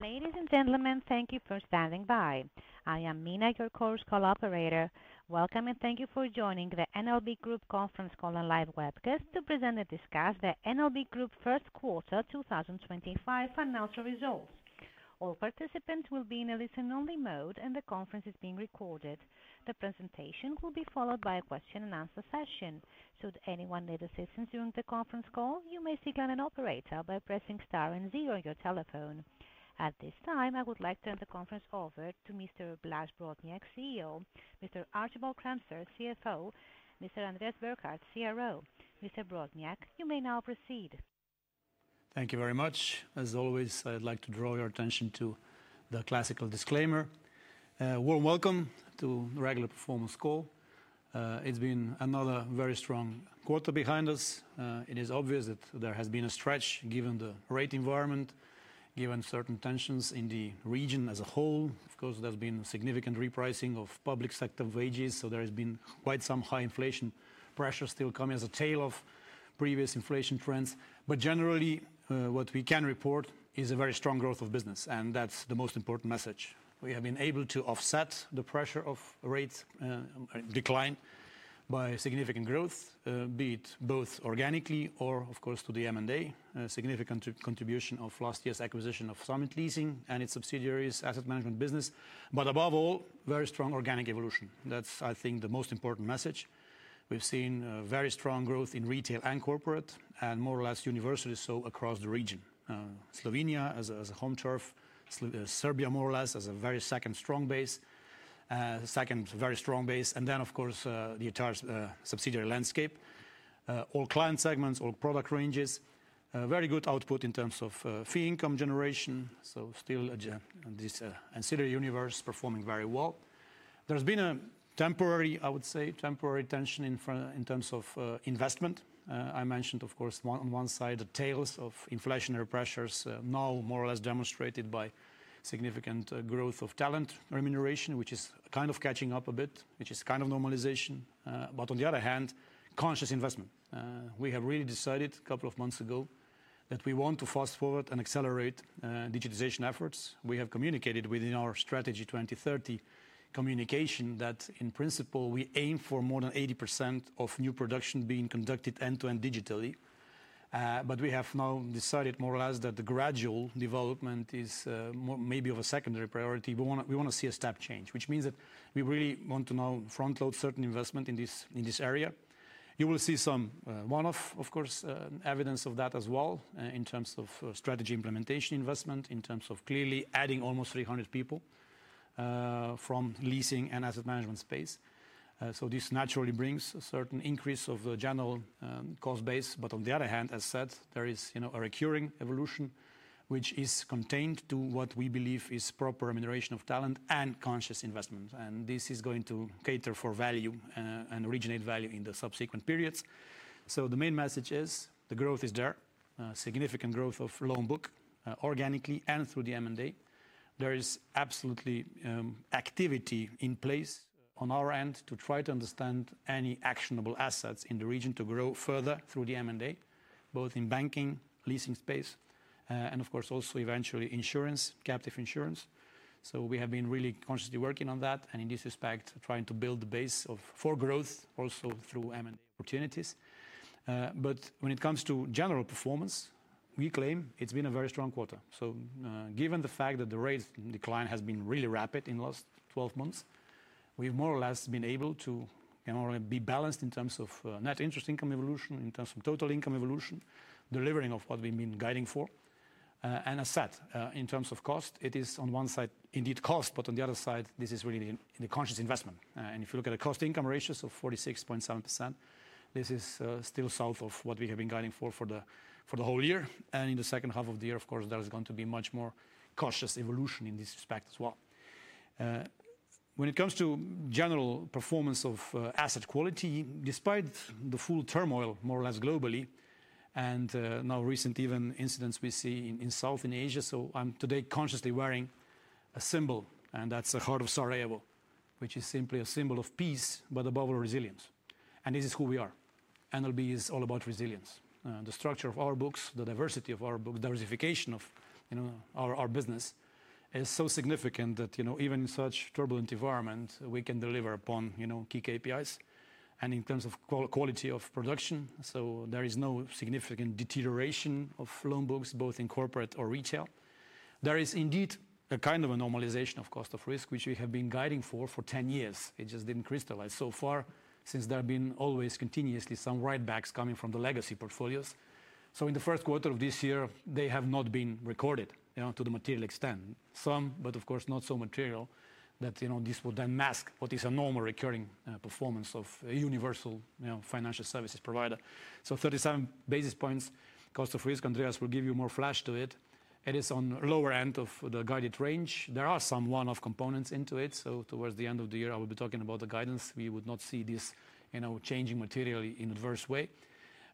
Ladies and gentlemen, thank you for standing by. I am Mina, your course co-operator. Welcome and thank you for joining the NLB Group Conference call on live webcast to present and discuss the NLB Group First Quarter 2025 financial results. All participants will be in a listen-only mode, and the conference is being recorded. The presentation will be followed by a question-and-answer session. Should anyone need assistance during the conference call, you may signal an operator by pressing star and zero on your telephone. At this time, I would like to turn the conference over to Mr. Blaž Brodnjak, CEO, Mr. Archibald Kremser, CFO, Mr. Andreas Burkhardt, CRO. Mr. Brodnjak, you may now proceed. Thank you very much. As always, I'd like to draw your attention to the classical disclaimer. Warm welcome to the regular performance call. It's been another very strong quarter behind us. It is obvious that there has been a stretch given the rate environment, given certain tensions in the region as a whole. Of course, there's been significant repricing of public sector wages, so there has been quite some high inflation pressure still coming as a tail of previous inflation trends. Generally, what we can report is a very strong growth of business, and that's the most important message. We have been able to offset the pressure of rate decline by significant growth, be it both organically or, of course, through the M&A. A significant contribution of last year's acquisition of Summit Leasing and its subsidiaries, Asset Management Business. Above all, very strong organic evolution. That's, I think, the most important message. We've seen very strong growth in retail and corporate, and more or less universally so across the region. Slovenia as a home turf, Serbia more or less as a very second strong base, second very strong base. Of course, the entire subsidiary landscape, all client segments, all product ranges. Very good output in terms of fee income generation, so still this ancillary universe performing very well. There's been a temporary, I would say, temporary tension in terms of investment. I mentioned, of course, on one side, the tails of inflationary pressures now more or less demonstrated by significant growth of talent remuneration, which is kind of catching up a bit, which is kind of normalization. On the other hand, conscious investment. We have really decided a couple of months ago that we want to fast forward and accelerate digitization efforts. We have communicated within our Strategy 2030 communication that, in principle, we aim for more than 80% of new production being conducted end-to-end digitally. We have now decided more or less that the gradual development is maybe of a secondary priority. We want to see a step change, which means that we really want to now front-load certain investment in this area. You will see some one-off, of course, evidence of that as well in terms of strategy implementation investment, in terms of clearly adding almost 300 people from leasing and asset management space. This naturally brings a certain increase of the general cost base. On the other hand, as said, there is a recurring evolution, which is contained to what we believe is proper remuneration of talent and conscious investment. This is going to cater for value and originate value in the subsequent periods. The main message is the growth is there, significant growth of loan book organically and through the M&A. There is absolutely activity in place on our end to try to understand any actionable assets in the region to grow further through the M&A, both in banking, leasing space, and of course, also eventually insurance, captive insurance. We have been really consciously working on that and in this respect trying to build the base for growth also through M&A opportunities. When it comes to general performance, we claim it's been a very strong quarter. Given the fact that the rate decline has been really rapid in the last 12 months, we've more or less been able to be balanced in terms of net interest income evolution, in terms of total income evolution, delivering of what we've been guiding for. As said, in terms of cost, it is on one side indeed cost, but on the other side, this is really the conscious investment. If you look at the cost income ratios of 46.7%, this is still south of what we have been guiding for for the whole year. In the second half of the year, of course, there is going to be much more cautious evolution in this respect as well. When it comes to general performance of asset quality, despite the full turmoil more or less globally and now recent even incidents we see in South in Asia, I am today consciously wearing a symbol, and that is a heart of Sarajevo, which is simply a symbol of peace, but above all resilience. This is who we are. NLB is all about resilience. The structure of our books, the diversity of our books, diversification of our business is so significant that even in such turbulent environment, we can deliver upon key KPIs. In terms of quality of production, there is no significant deterioration of loan books, both in corporate or retail. There is indeed a kind of a normalization of cost of risk, which we have been guiding for for 10 years. It just did not crystallize so far since there have been always continuously some write-backs coming from the legacy portfolios. In the first quarter of this year, they have not been recorded to the material extent. Some, but of course not so material that this would then mask what is a normal recurring performance of a universal financial services provider. Thirty-seven basis points cost of risk, Andreas will give you more flash to it. It is on the lower end of the guided range. There are some one-off components into it. Towards the end of the year, I will be talking about the guidance. We would not see this changing materially in an adverse way.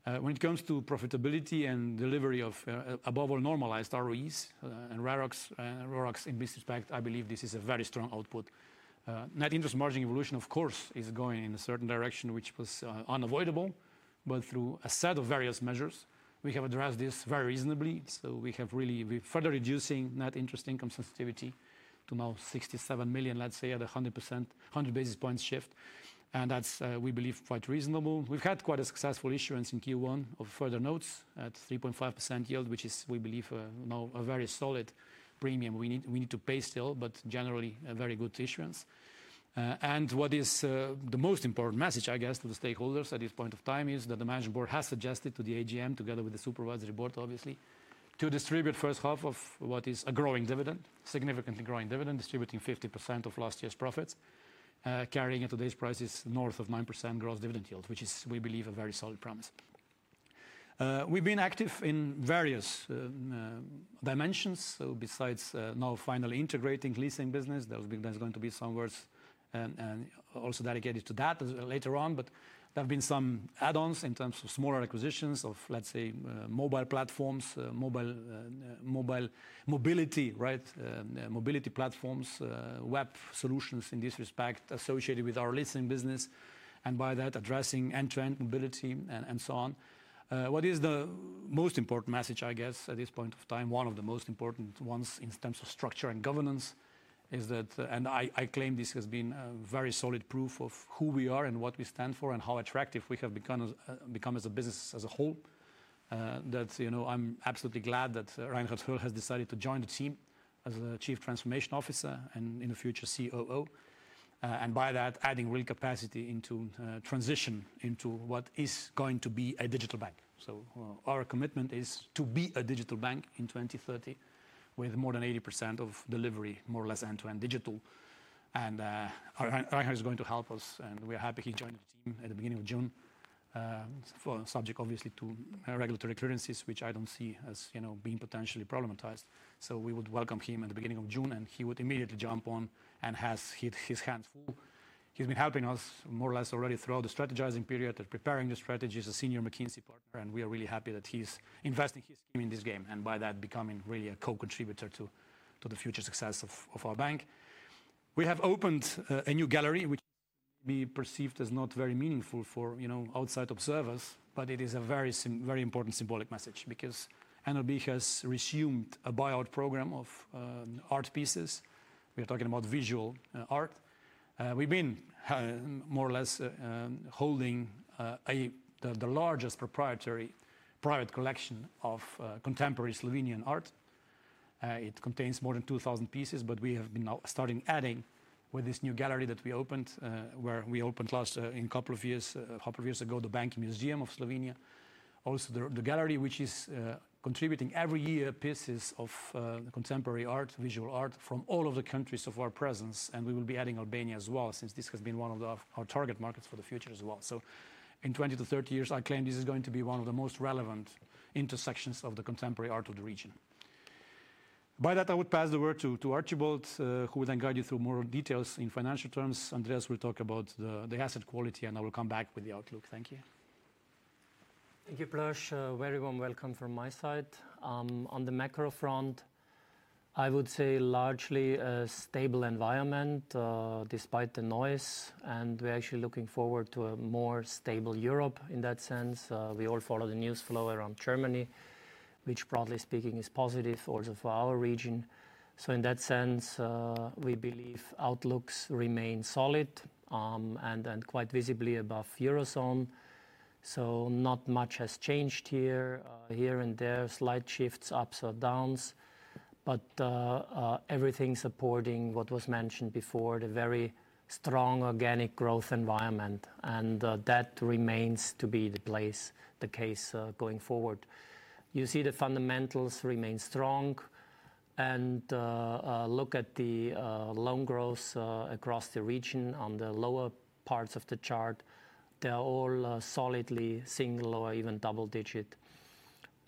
When it comes to profitability and delivery of above all normalized ROEs and RORACs in this respect, I believe this is a very strong output. Net interest margin evolution, of course, is going in a certain direction, which was unavoidable. Through a set of various measures, we have addressed this very reasonably. We have really further reduced net interest income sensitivity to now 67 million, let's say at 100 basis points shift. That is, we believe, quite reasonable. We've had quite a successful issuance in Q1 of further notes at 3.5% yield, which is, we believe, now a very solid premium we need to pay still, but generally a very good issuance. What is the most important message, I guess, to the stakeholders at this point of time is that the Management Board has suggested to the AGM, together with the Supervisory Board, obviously, to distribute the first half of what is a growing dividend, significantly growing dividend, distributing 50% of last year's profits, carrying at today's prices north of 9% gross dividend yield, which is, we believe, a very solid promise. We've been active in various dimensions. Besides now finally integrating leasing business, there's going to be some words also dedicated to that later on. There have been some add-ons in terms of smaller acquisitions of, let's say, mobile platforms, mobile mobility, right? Mobility platforms, web solutions in this respect associated with our leasing business, and by that addressing end-to-end mobility and so on. What is the most important message, I guess, at this point of time? One of the most important ones in terms of structure and governance is that, and I claim this has been very solid proof of who we are and what we stand for and how attractive we have become as a business as a whole. That I am absolutely glad that Reinhard Höll has decided to join the team as a Chief Transformation Officer and in the future COO. By that, adding real capacity into transition into what is going to be a digital bank. Our commitment is to be a digital bank in 2030 with more than 80% of delivery more or less end-to-end digital. Reinhard is going to help us, and we are happy he joined the team at the beginning of June. Subject, obviously, to regulatory clearances, which I do not see as being potentially problematized. We would welcome him at the beginning of June, and he would immediately jump on and has his hands full. He has been helping us more or less already throughout the strategizing period and preparing the strategies as a senior McKinsey partner. We are really happy that he is investing his team in this game and by that becoming really a co-contributor to the future success of our bank. We have opened a new gallery, which may be perceived as not very meaningful for outside observers, but it is a very important symbolic message because NLB has resumed a buyout program of art pieces. We are talking about visual art. We've been more or less holding the largest proprietary private collection of contemporary Slovenian art. It contains more than 2,000 pieces, but we have been starting adding with this new gallery that we opened where we opened last in a couple of years ago the Bank Museum of Slovenia. Also the gallery, which is contributing every year pieces of contemporary art, visual art from all of the countries of our presence. We will be adding Albania as well since this has been one of our target markets for the future as well. In 20-30 years, I claim this is going to be one of the most relevant intersections of the contemporary art of the region. By that, I would pass the word to Archibald, who will then guide you through more details in financial terms. Andreas will talk about the asset quality, and I will come back with the outlook. Thank you. Thank you, Blaž. Very warm welcome from my side. On the macro front, I would say largely a stable environment despite the noise. We are actually looking forward to a more stable Europe in that sense. We all follow the news flow around Germany, which broadly speaking is positive also for our region. In that sense, we believe outlooks remain solid and quite visibly above eurozone. Not much has changed here. Here and there, slight shifts, ups or downs, but everything supporting what was mentioned before, the very strong organic growth environment. That remains to be the case. Going forward, you see the fundamentals remain strong. Look at the loan growth across the region on the lower parts of the chart. They are all solidly single or even double digit.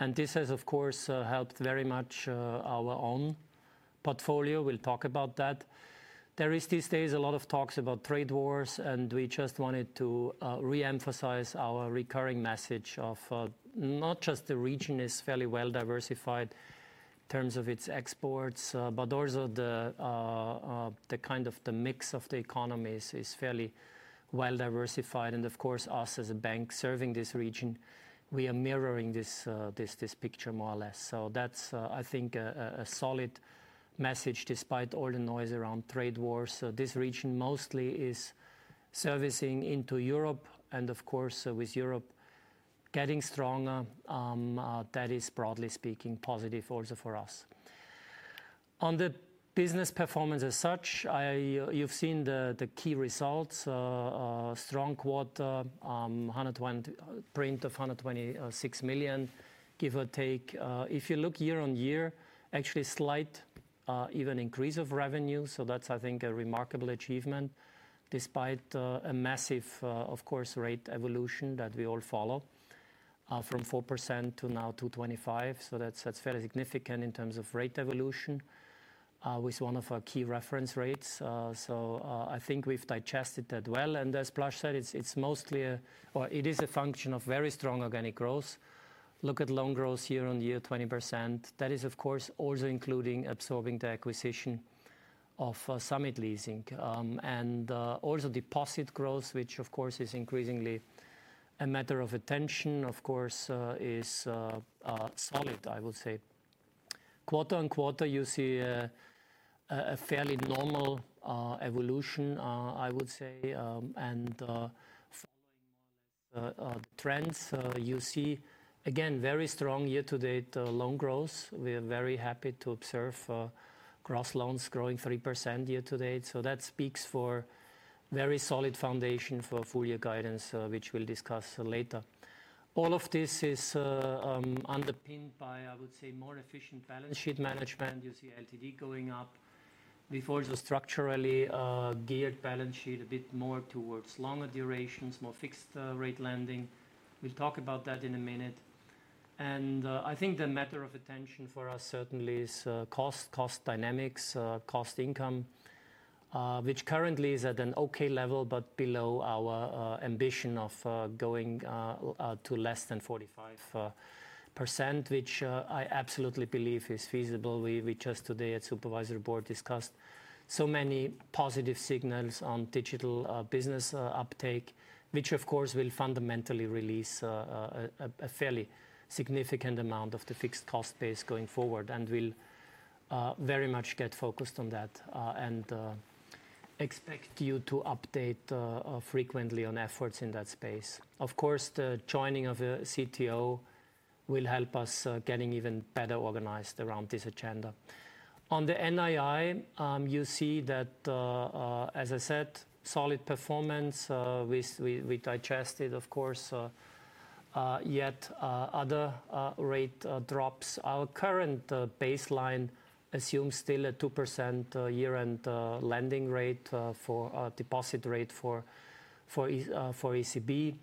This has, of course, helped very much our own portfolio. We will talk about that. There is these days a lot of talks about trade wars, and we just wanted to reemphasize our recurring message of not just the region is fairly well diversified in terms of its exports, but also the kind of the mix of the economies is fairly well diversified. Of course, us as a bank serving this region, we are mirroring this picture more or less. That is, I think, a solid message despite all the noise around trade wars. This region mostly is servicing into Europe and, of course, with Europe getting stronger. That is, broadly speaking, positive also for us. On the business performance as such, you've seen the key results. Strong quarter, print of 126 million, give or take. If you look year on year, actually slight even increase of revenue. That is, I think, a remarkable achievement despite a massive, of course, rate evolution that we all follow from 4% to now 2.25%. That is fairly significant in terms of rate evolution with one of our key reference rates. I think we have digested that well. As Blaž said, it is mostly, or it is a function of very strong organic growth. Look at loan growth year-on-year, 20%. That is, of course, also including absorbing the acquisition of Summit Leasing and also deposit growth, which, of course, is increasingly a matter of attention, is solid, I would say. Quarter-on-quarter, you see a fairly normal evolution, I would say. Following more or less the trends, you see again very strong year-to-date loan growth. We are very happy to observe gross loans growing 3% year-to-date. That speaks for a very solid foundation for full year guidance, which we'll discuss later. All of this is underpinned by, I would say, more efficient balance sheet management. You see LTD going up. We've also structurally geared balance sheet a bit more towards longer durations, more fixed rate lending. We'll talk about that in a minute. I think the matter of attention for us certainly is cost, cost dynamics, cost income, which currently is at an okay level, but below our ambition of going to less than 45%, which I absolutely believe is feasible. We just today at Supervisory Board discussed so many positive signals on digital business uptake, which, of course, will fundamentally release a fairly significant amount of the fixed cost base going forward and will very much get focused on that and expect you to update frequently on efforts in that space. Of course, the joining of a CTO will help us getting even better organized around this agenda. On the NII, you see that, as I said, solid performance. We digested, of course, yet other rate drops. Our current baseline assumes still a 2% year-end lending rate for deposit rate for ECB.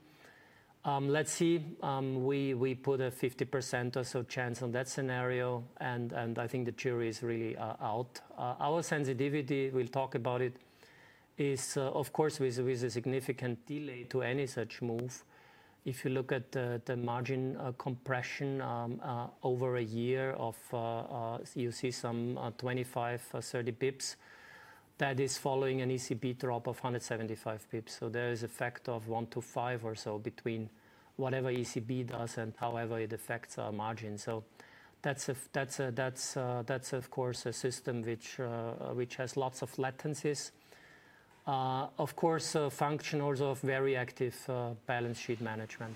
Let's see. We put a 50% or so chance on that scenario. I think the jury is really out. Our sensitivity, we'll talk about it, is, of course, with a significant delay to any such move. If you look at the margin compression over a year of, you see some 25-30 basis points. That is following an ECB drop of 175 basis points. There is a factor of one to five or so between whatever ECB does and however it affects our margin. That is, of course, a system which has lots of latencies. Of course, function also of very active balance sheet management.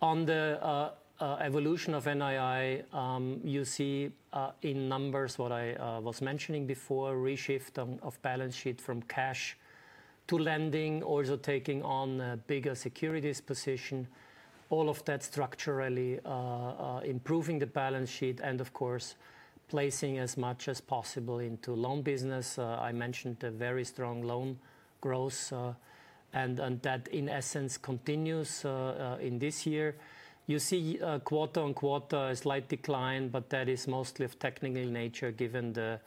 On the evolution of NII, you see in numbers what I was mentioning before, reshift of balance sheet from cash to lending, also taking on a bigger securities position. All of that structurally improving the balance sheet and, of course, placing as much as possible into loan business. I mentioned a very strong loan growth. That, in essence, continues in this year. You see quarter-on-quarter a slight decline, but that is mostly of technical nature given the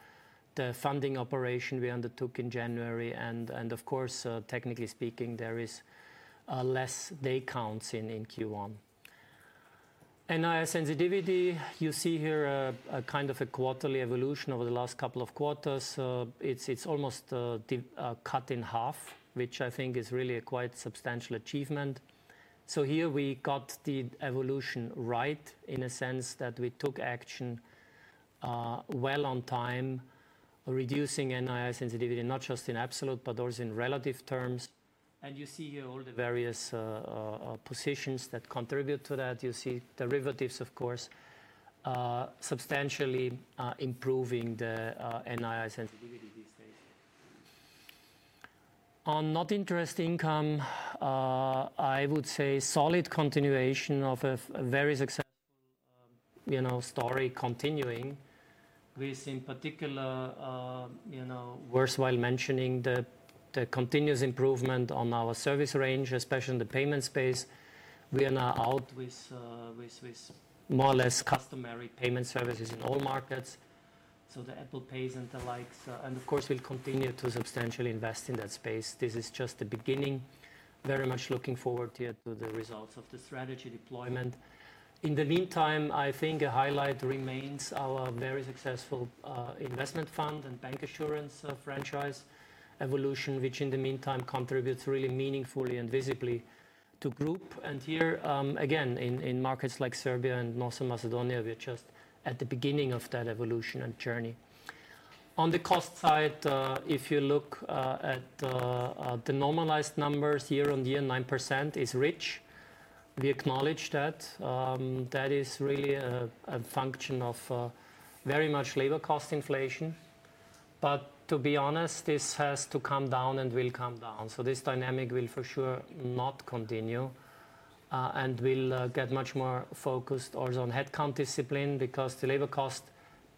funding operation we undertook in January. Of course, technically speaking, there is less day counts in Q1. NII sensitivity, you see here a kind of a quarterly evolution over the last couple of quarters. It is almost cut in half, which I think is really a quite substantial achievement. Here we got the evolution right in a sense that we took action well on time, reducing NII sensitivity, not just in absolute, but also in relative terms. You see here all the various positions that contribute to that. You see derivatives, of course, substantially improving the NII sensitivity these days. On not interest income, I would say solid continuation of a very successful story continuing with, in particular, worthwhile mentioning the continuous improvement on our service range, especially in the payment space. We are now out with more or less customary payment services in all markets. The Apple Pays and the likes. Of course, we will continue to substantially invest in that space. This is just the beginning. Very much looking forward here to the results of the strategy deployment. In the meantime, I think a highlight remains our very successful investment fund and bancassurance franchise evolution, which in the meantime contributes really meaningfully and visibly to group. Here, again, in markets like Serbia and North Macedonia, we're just at the beginning of that evolution and journey. On the cost side, if you look at the normalized numbers year on year, 9% is rich. We acknowledge that. That is really a function of very much labor cost inflation. To be honest, this has to come down and will come down. This dynamic will for sure not continue and will get much more focused also on headcount discipline because the labor cost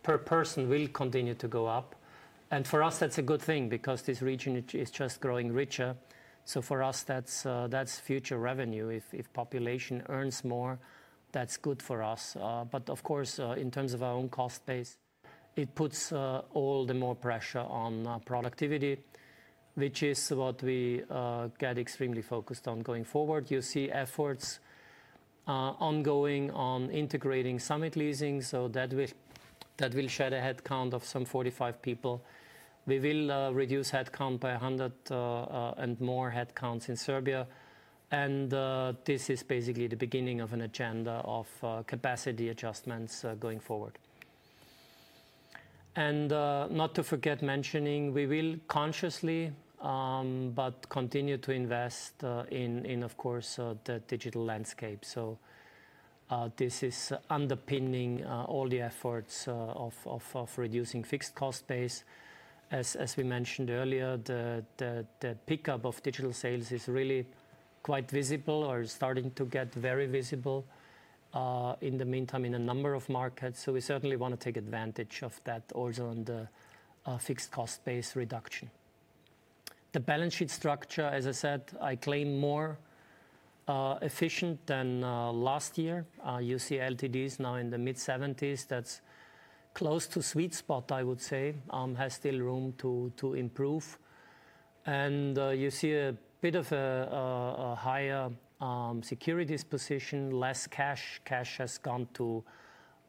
per person will continue to go up. For us, that's a good thing because this region is just growing richer. For us, that's future revenue. If population earns more, that's good for us. Of course, in terms of our own cost base, it puts all the more pressure on productivity, which is what we get extremely focused on going forward. You see efforts ongoing on integrating Summit Leasing. That will shed a headcount of some 45 people. We will reduce headcount by 100 and more headcounts in Serbia. This is basically the beginning of an agenda of capacity adjustments going forward. Not to forget mentioning we will consciously, but continue to invest in, of course, the digital landscape. This is underpinning all the efforts of reducing fixed cost base. As we mentioned earlier, the pickup of digital sales is really quite visible or starting to get very visible in the meantime in a number of markets. We certainly want to take advantage of that also on the fixed cost base reduction. The balance sheet structure, as I said, I claim more efficient than last year. You see LTDs now in the mid-70s. That is close to sweet spot, I would say, has still room to improve. You see a bit of a higher securities position, less cash. Cash has gone to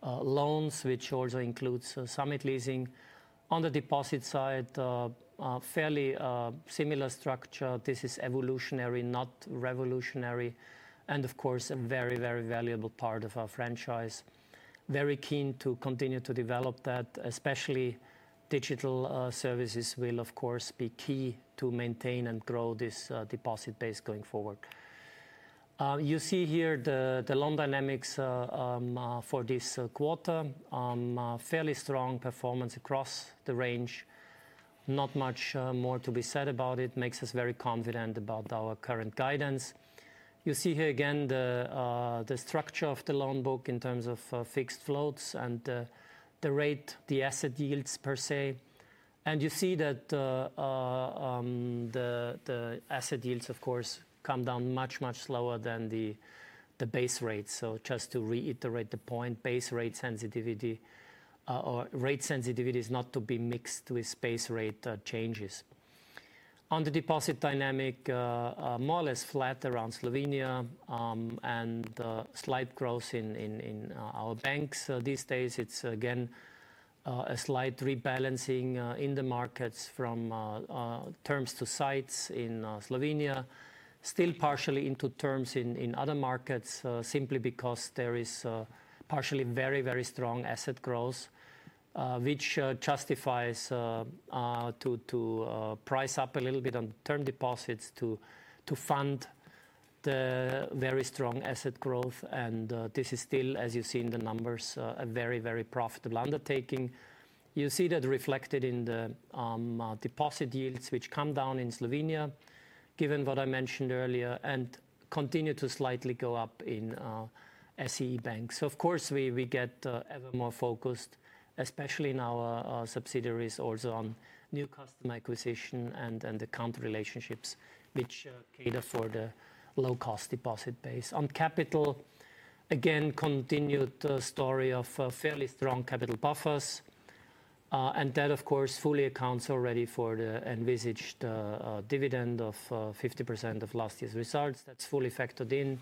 loans, which also includes Summit Leasing. On the deposit side, fairly similar structure. This is evolutionary, not revolutionary. Of course, a very, very valuable part of our franchise. Very keen to continue to develop that, especially digital services will, of course, be key to maintain and grow this deposit base going forward. You see here the loan dynamics for this quarter. Fairly strong performance across the range. Not much more to be said about it. Makes us very confident about our current guidance. You see here again the structure of the loan book in terms of fixed, floats, and the rate, the asset yields per se. You see that the asset yields, of course, come down much, much slower than the base rate. Just to reiterate the point, base rate sensitivity or rate sensitivity is not to be mixed with base rate changes. On the deposit dynamic, more or less flat around Slovenia and slight growth in our banks these days. It is again a slight rebalancing in the markets from terms to sites in Slovenia, still partially into terms in other markets simply because there is partially very, very strong asset growth, which justifies to price up a little bit on term deposits to fund the very strong asset growth. This is still, as you see in the numbers, a very, very profitable undertaking. You see that reflected in the deposit yields, which come down in Slovenia given what I mentioned earlier and continue to slightly go up in SEE banks. Of course, we get ever more focused, especially in our subsidiaries, also on new customer acquisition and the account relationships, which cater for the low cost deposit base. On capital, again, continued story of fairly strong capital buffers. That, of course, fully accounts already for the envisaged dividend of 50% of last year's results. That is fully factored in.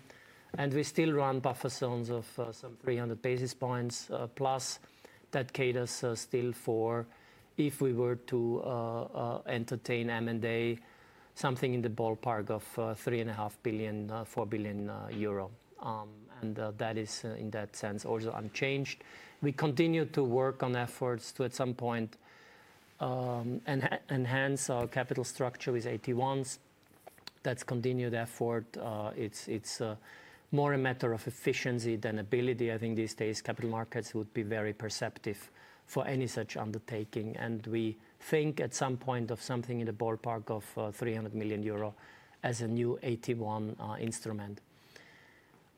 We still run buffer zones of some 300 basis points plus. That caters still for if we were to entertain M&A, something in the ballpark of 3.5 billion-4 billion euro. That is in that sense also unchanged. We continue to work on efforts to, at some point, enhance our capital structure with AT1s. That is continued effort. It's more a matter of efficiency than ability. I think these days capital markets would be very perceptive for any such undertaking. We think at some point of something in the ballpark of 300 million euro as a new 81 instrument.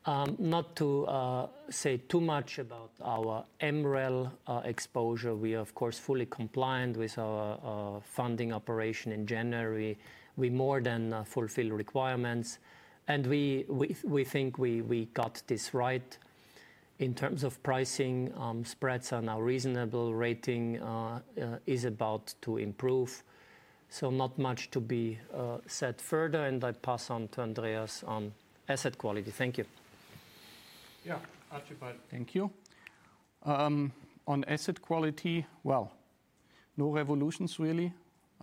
Not to say too much about our MREL exposure. We are, of course, fully compliant with our funding operation in January. We more than fulfill requirements. We think we got this right in terms of pricing. Spreads are now reasonable. Rating is about to improve. Not much to be said further. I pass on to Andreas on asset quality. Thank you. Yeah, Archibald. Thank you. On asset quality, no revolutions really.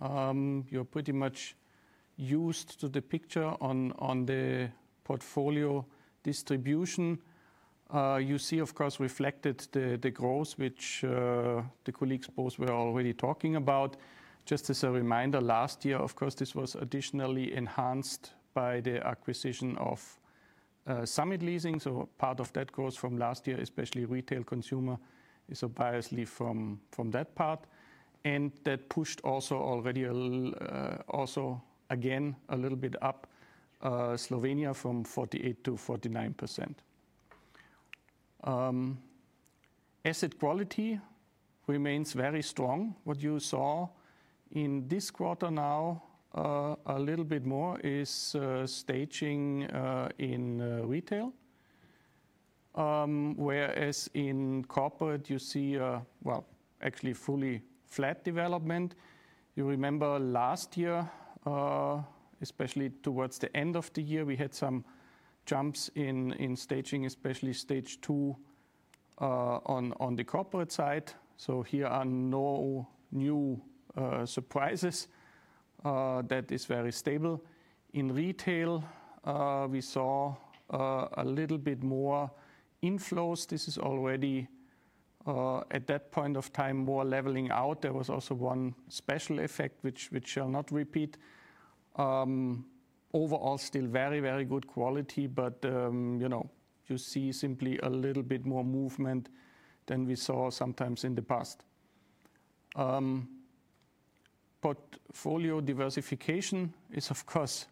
You're pretty much used to the picture on the portfolio distribution. You see, of course, reflected the growth, which the colleagues both were already talking about. Just as a reminder, last year, of course, this was additionally enhanced by the acquisition of Summit Leasing. Part of that growth from last year, especially retail consumer, is a bias leave from that part. That pushed also already also again a little bit up Slovenia from 48% to 49%. Asset quality remains very strong. What you saw in this quarter now, a little bit more is staging in retail. Whereas in corporate, you see a, well, actually fully flat development. You remember last year, especially towards the end of the year, we had some jumps in staging, especially stage two on the corporate side. Here are no new surprises. That is very stable. In retail, we saw a little bit more inflows. This is already at that point of time more leveling out. There was also one special effect, which shall not repeat. Overall, still very, very good quality. You see simply a little bit more movement than we saw sometimes in the past. Portfolio diversification is, of course,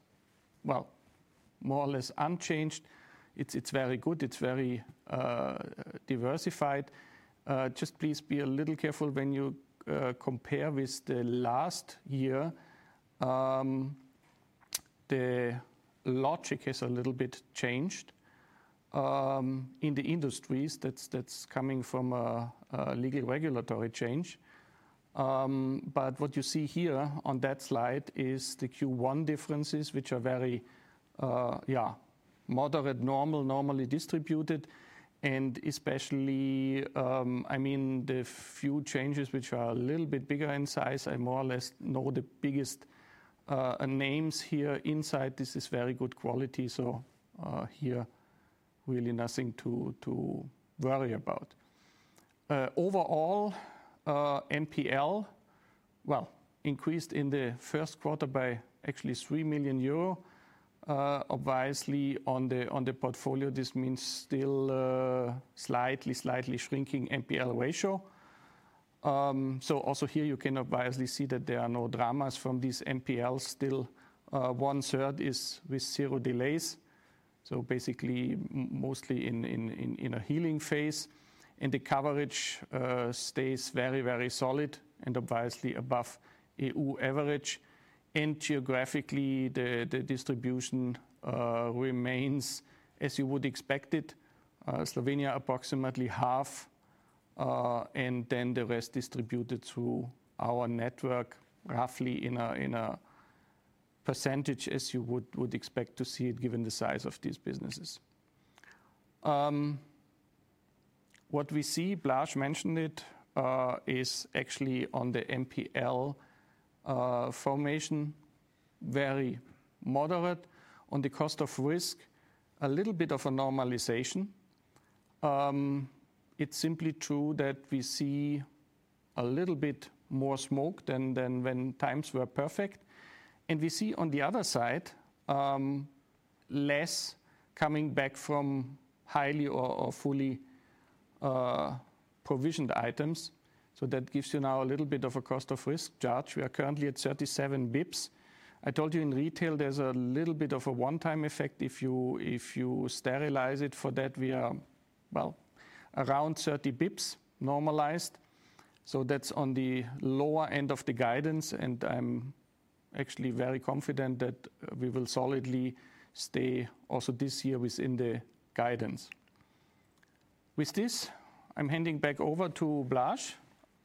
more or less unchanged. It's very good. It's very diversified. Just please be a little careful when you compare with the last year. The logic has a little bit changed in the industries. That's coming from a legal regulatory change. What you see here on that slide is the Q1 differences, which are very, yeah, moderate, normal, normally distributed. Especially, I mean, the few changes which are a little bit bigger in size. I more or less know the biggest names here inside. This is very good quality. Here, really nothing to worry about. Overall, NPL increased in the first quarter by actually 3 million euro advisedly on the portfolio. This means still slightly, slightly shrinking NPL ratio. Also here, you can advisedly see that there are no dramas from this NPL. Still, one third is with zero delays. Basically, mostly in a healing phase. The coverage stays very, very solid and advisedly above EU average. Geographically, the distribution remains, as you would expect it, Slovenia approximately half. The rest distributed through our network, roughly in a percentage, as you would expect to see it given the size of these businesses. What we see, Blaž mentioned it, is actually on the NPL formation, very moderate. On the cost of risk, a little bit of a normalization. It is simply true that we see a little bit more smoke than when times were perfect. We see on the other side, less coming back from highly or fully provisioned items. That gives you now a little bit of a cost of risk charge. We are currently at 37 basis points. I told you in retail, there's a little bit of a one-time effect. If you sterilize it for that, we are, well, around 30 basis points normalized. That is on the lower end of the guidance. I am actually very confident that we will solidly stay also this year within the guidance. With this, I am handing back over to Blaž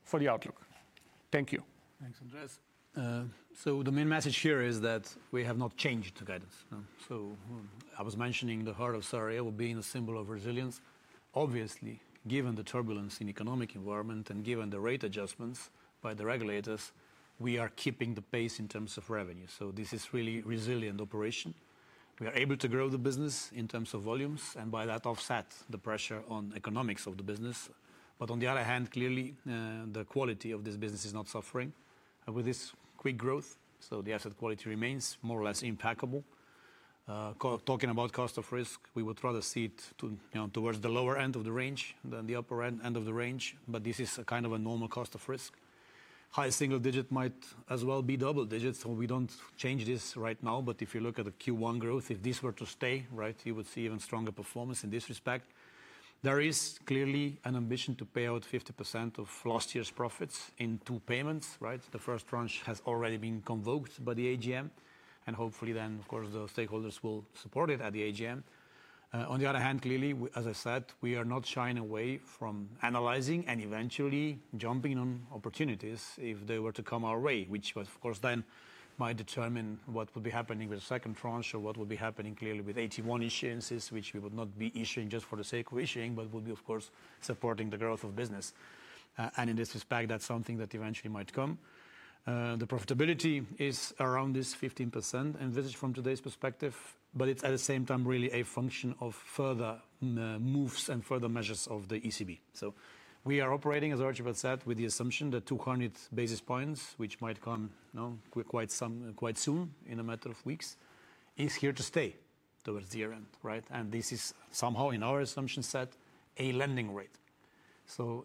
for the outlook. Thank you. Thank you, Andreas. The main message here is that we have not changed the guidance. I was mentioning the heart of Sarajevo being a symbol of resilience. Obviously, given the turbulence in the economic environment and given the rate adjustments by the regulators, we are keeping the pace in terms of revenue. This is really a resilient operation. We are able to grow the business in terms of volumes and by that offset the pressure on economics of the business. On the other hand, clearly, the quality of this business is not suffering with this quick growth. The asset quality remains more or less impeccable. Talking about cost of risk, we would rather see it towards the lower end of the range than the upper end of the range. This is a kind of a normal cost of risk. High single digit might as well be double digit. We do not change this right now. If you look at the Q1 growth, if this were to stay, right, you would see even stronger performance in this respect. There is clearly an ambition to pay out 50% of last year's profits in two payments. The first tranche has already been convoked by the AGM. Hopefully then, of course, the stakeholders will support it at the AGM. On the other hand, clearly, as I said, we are not shying away from analyzing and eventually jumping on opportunities if they were to come our way, which of course then might determine what would be happening with the second tranche or what would be happening clearly with AT1 issuances, which we would not be issuing just for the sake of issuing, but would be, of course, supporting the growth of business. In this respect, that is something that eventually might come. The profitability is around this 15% envisaged from today's perspective, but it is at the same time really a function of further moves and further measures of the ECB. We are operating, as Archibald said, with the assumption that 200 basis points, which might come quite soon in a matter of weeks, is here to stay towards the year end. This is somehow in our assumption set a lending rate.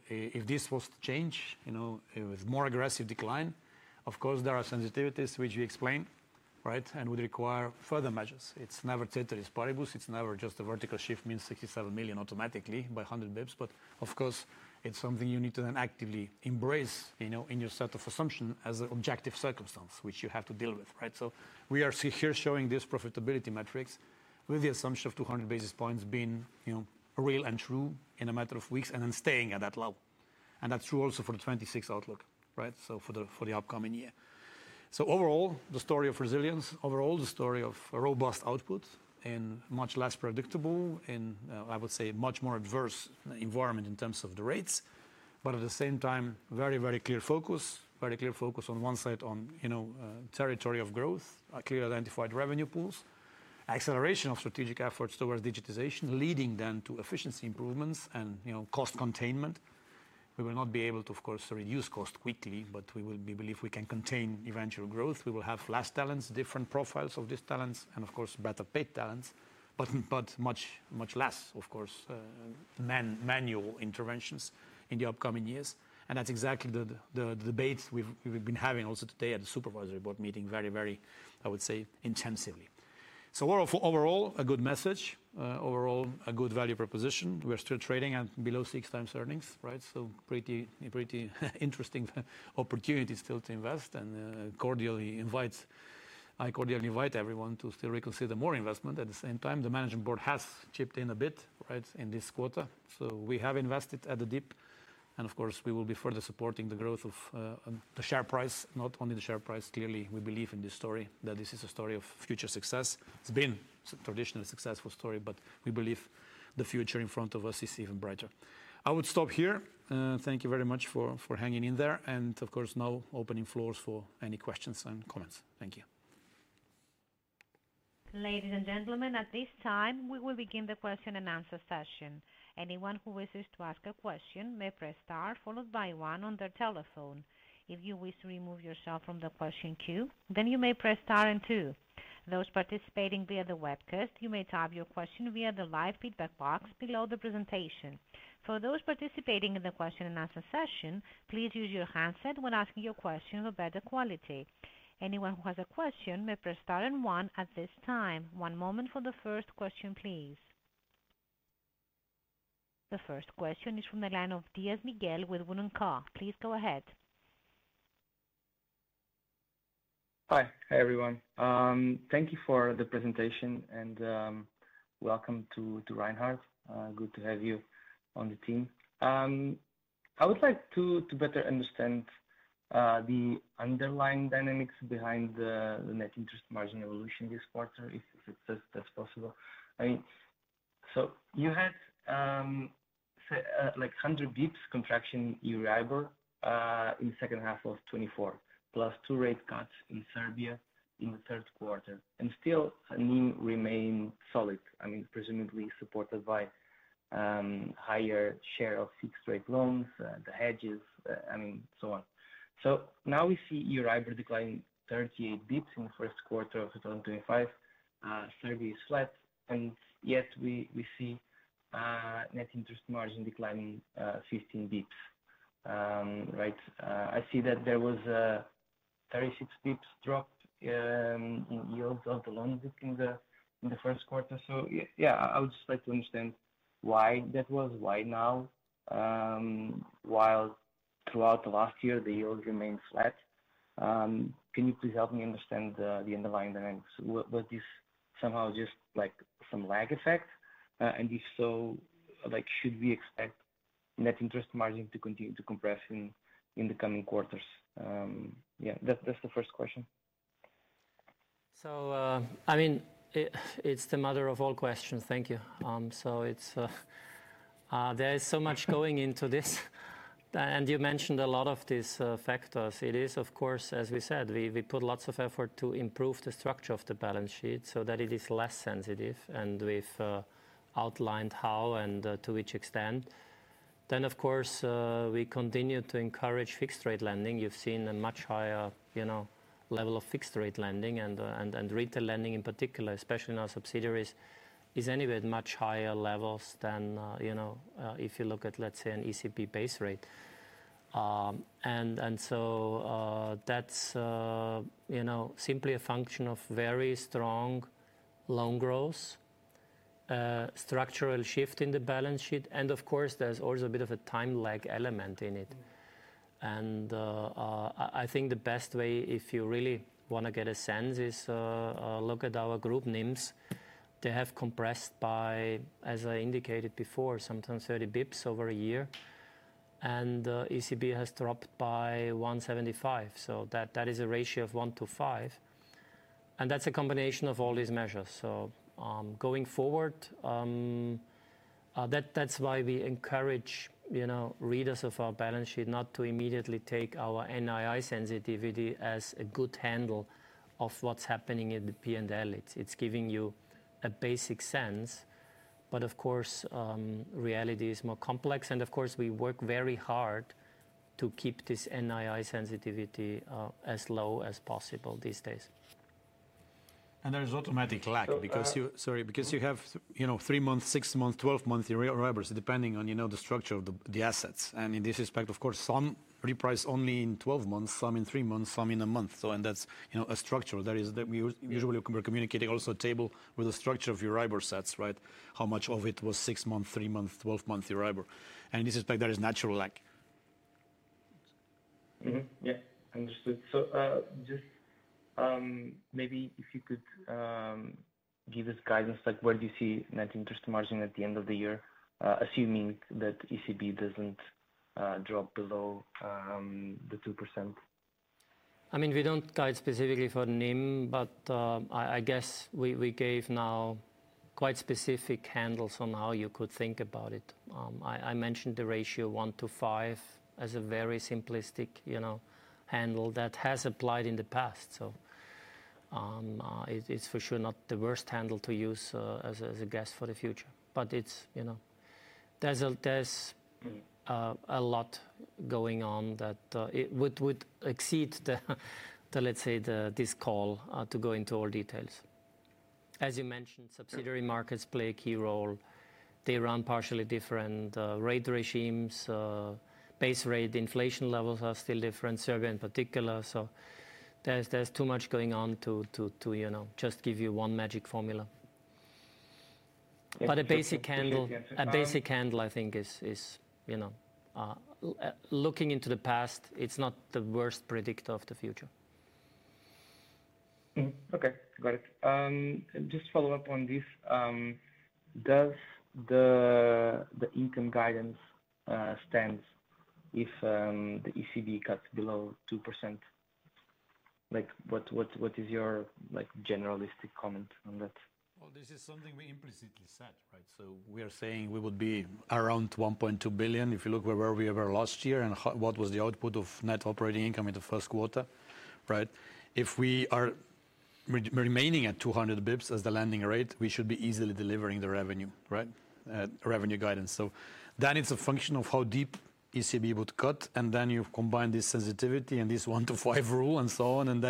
If this was to change with more aggressive decline, of course, there are sensitivities which we explain and would require further measures. It is never ceteris paribus. It is never just a vertical shift means 67 million automatically by 100 basis points. Of course, it is something you need to then actively embrace in your set of assumption as an objective circumstance, which you have to deal with. We are here showing this profitability metrics with the assumption of 200 basis points being real and true in a matter of weeks and then staying at that level. That is true also for the 2026 outlook, for the upcoming year. Overall, the story of resilience, overall, the story of robust output and much less predictable in, I would say, much more adverse environment in terms of the rates. At the same time, very, very clear focus, very clear focus on one side on territory of growth, clearly identified revenue pools, acceleration of strategic efforts towards digitization, leading then to efficiency improvements and cost containment. We will not be able to, of course, reduce cost quickly, but we believe we can contain eventual growth. We will have fewer talents, different profiles of these talents, and, of course, better paid talents, but much less, of course, manual interventions in the upcoming years. That is exactly the debate we have been having also today at the Supervisory Board meeting, very, very, I would say, intensively. Overall, a good message, overall, a good value proposition. We're still trading at below six times earnings. Pretty interesting opportunity still to invest. I cordially invite everyone to still reconsider more investment. At the same time, the management board has chipped in a bit in this quarter. We have invested at the dip. Of course, we will be further supporting the growth of the share price, not only the share price. Clearly, we believe in this story, that this is a story of future success. It's been a traditionally successful story, but we believe the future in front of us is even brighter. I would stop here. Thank you very much for hanging in there. Of course, now opening floors for any questions and comments. Thank you. Ladies and gentlemen, at this time, we will begin the question and answer session. Anyone who wishes to ask a question may press star followed by one on their telephone. If you wish to remove yourself from the question queue, then you may press star and two. Those participating via the webcast, you may type your question via the live feedback box below the presentation. For those participating in the question and answer session, please use your handset when asking your question for better quality. Anyone who has a question may press star and one at this time. One moment for the first question, please. The first question is from the line of Dias Miguel with WOOD & Co. Please go ahead. Hi, everyone. Thank you for the presentation and welcome to Reinhard. Good to have you on the team. I would like to better understand the underlying dynamics behind the net interest margin evolution this quarter, if that's possible. You had 100 basis points contraction in Euribor in the second half of 2024, plus two rate cuts in Serbia in the third quarter. Still, I mean, remain solid. I mean, presumably supported by higher share of fixed-rate loans, the hedges, I mean, so on. Now we see Euribor decline 38 basis points in the first quarter of 2025. Serbia is flat. Yet, we see net interest margin declining 15 basis points. I see that there was a 36 basis points drop in yields of the loans in the first quarter. Yeah, I would just like to understand why that was, why now, while throughout the last year, the yield remained flat. Can you please help me understand the underlying dynamics? Was this somehow just some lag effect? If so, should we expect net interest margin to continue to compress in the coming quarters? Yeah, that's the first question. I mean, it's the mother of all questions. Thank you. There is so much going into this. You mentioned a lot of these factors. It is, of course, as we said, we put lots of effort to improve the structure of the balance sheet so that it is less sensitive. We've outlined how and to which extent. Of course, we continue to encourage fixed-rate lending. You've seen a much higher level of fixed-rate lending, and retail lending in particular, especially in our subsidiaries, is anyway at much higher levels than if you look at, let's say, an ECB base rate. That is simply a function of very strong loan growth, structural shift in the balance sheet. Of course, there's also a bit of a time lag element in it. I think the best way, if you really want to get a sense, is look at our group names. They have compressed by, as I indicated before, sometimes 30 basis points over a year. The ECB has dropped by 175. That is a ratio of one to five. That is a combination of all these measures. Going forward, that is why we encourage readers of our balance sheet not to immediately take our NII sensitivity as a good handle of what is happening in the P&L. It is giving you a basic sense. Of course, reality is more complex. Of course, we work very hard to keep this NII sensitivity as low as possible these days. There is automatic lag because you have three months, six months, 12 months in reimbursement, depending on the structure of the assets. In this respect, of course, some reprice only in 12 months, some in three months, some in a month. That is a structure that we usually were communicating, also a table with the structure of your reimbursement sets, how much of it was six months, three months, 12 months your reimbursement. In this respect, there is natural lag. Yeah, understood. Just maybe if you could give us guidance, where do you see net interest margin at the end of the year, assuming that ECB does not drop below the 2%? I mean, we do not guide specifically for NIM, but I guess we gave now quite specific handles on how you could think about it. I mentioned the ratio one to five as a very simplistic handle that has applied in the past. It is for sure not the worst handle to use as a guess for the future. There is a lot going on that would exceed the, let's say, this call to go into all details. As you mentioned, subsidiary markets play a key role. They run partially different rate regimes. Base rate inflation levels are still different, Serbia in particular. There is too much going on to just give you one magic formula. A basic handle, I think, is looking into the past, it is not the worst predictor of the future. Okay, got it. Just follow up on this. Does the income guidance stand if the ECB cuts below 2%? What is your generalistic comment on that? This is something we implicitly said. We are saying we would be around 1.2 billion if you look where we were last year and what was the output of net operating income in the first quarter. If we are remaining at 200 basis points as the landing rate, we should be easily delivering the revenue guidance. It is a function of how deep ECB would cut. You combine this sensitivity and this one to five rule and so on.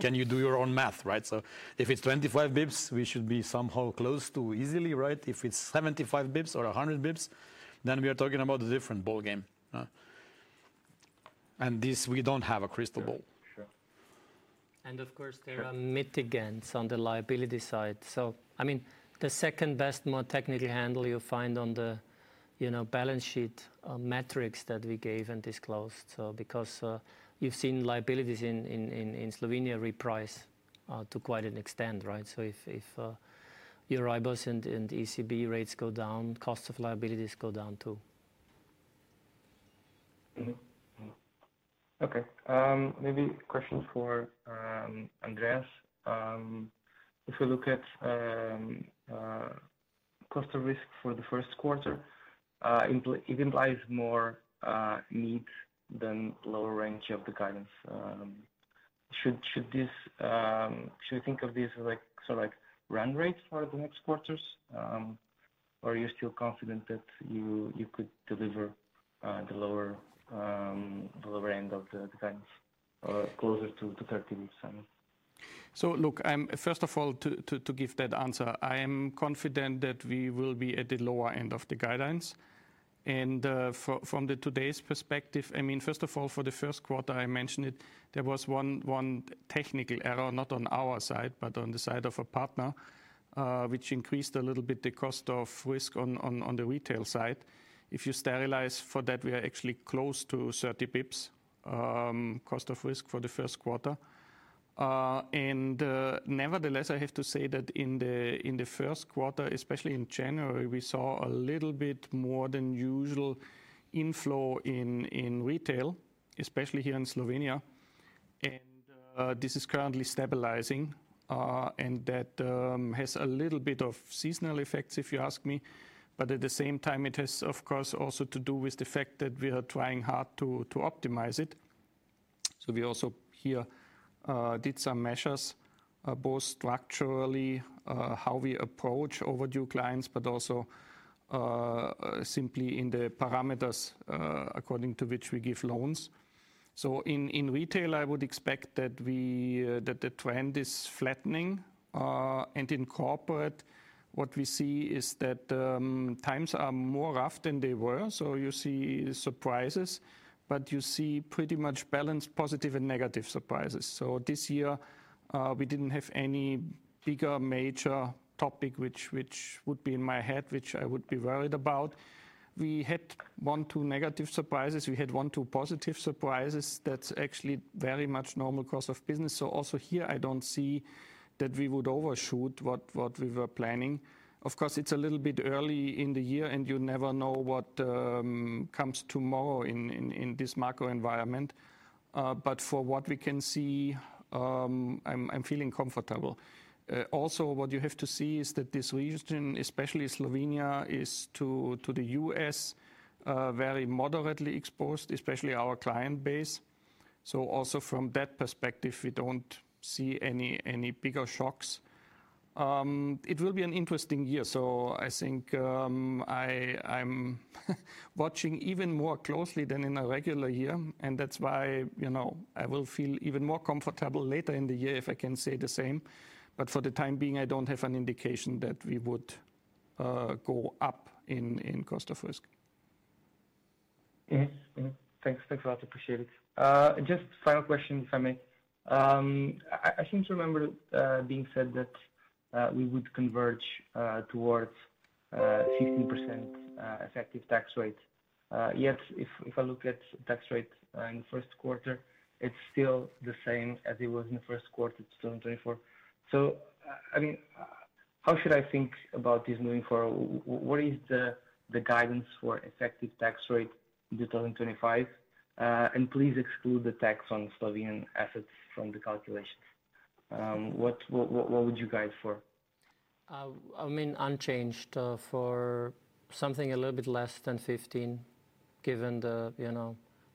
Can you do your own math? If it is 25 basis points, we should be somehow close to easily. If it is 75 basis points or 100 basis points, then we are talking about a different ball game. We do not have a crystal ball. Of course, there are mitigants on the liability side. I mean, the second best technical handle you will find on the balance sheet metrics that we gave and disclosed. You have seen liabilities in Slovenia reprice to quite an extent. If Euribor and ECB rates go down, cost of liabilities go down too. Okay, maybe questions for Andreas. If we look at cost of risk for the first quarter, it implies more needs than lower range of the guidance. Should we think of these sort of run rates for the next quarters? Are you still confident that you could deliver the lower end of the guidance closer to 30 basis points? Look, first of all, to give that answer, I am confident that we will be at the lower end of the guidelines. From today's perspective, I mean, first of all, for the first quarter, I mentioned it, there was one technical error, not on our side, but on the side of a partner, which increased a little bit the cost of risk on the retail side. If you sterilize for that, we are actually close to 30 basis points cost of risk for the first quarter. Nevertheless, I have to say that in the first quarter, especially in January, we saw a little bit more than usual inflow in retail, especially here in Slovenia. This is currently stabilizing. That has a little bit of seasonal effects, if you ask me. At the same time, it has, of course, also to do with the fact that we are trying hard to optimize it. We also here did some measures, both structurally, how we approach overdue clients, but also simply in the parameters according to which we give loans. In retail, I would expect that the trend is flattening. In corporate, what we see is that times are more rough than they were. You see surprises, but you see pretty much balanced positive and negative surprises. This year, we did not have any bigger major topic which would be in my head, which I would be worried about. We had one to negative surprises. We had one to positive surprises. That is actually very much normal cost of business. Also here, I do not see that we would overshoot what we were planning. Of course, it is a little bit early in the year, and you never know what comes tomorrow in this macro environment. For what we can see, I am feeling comfortable. Also, what you have to see is that this region, especially Slovenia, is to the U.S., very moderately exposed, especially our client base. Also from that perspective, we do not see any bigger shocks. It will be an interesting year. I think I am watching even more closely than in a regular year. That is why I will feel even more comfortable later in the year if I can say the same. For the time being, I do not have an indication that we would go up in cost of risk. Thanks a lot. Appreciate it. Just final question, if I may. I seem to remember being said that we would converge towards 15% effective tax rate. Yet if I look at tax rate in the first quarter, it is still the same as it was in the first quarter of 2024. I mean, how should I think about this moving forward? What is the guidance for effective tax rate in 2025? Please exclude the tax on Slovenian assets from the calculations. What would you guide for? I mean, unchanged for something a little bit less than 15, given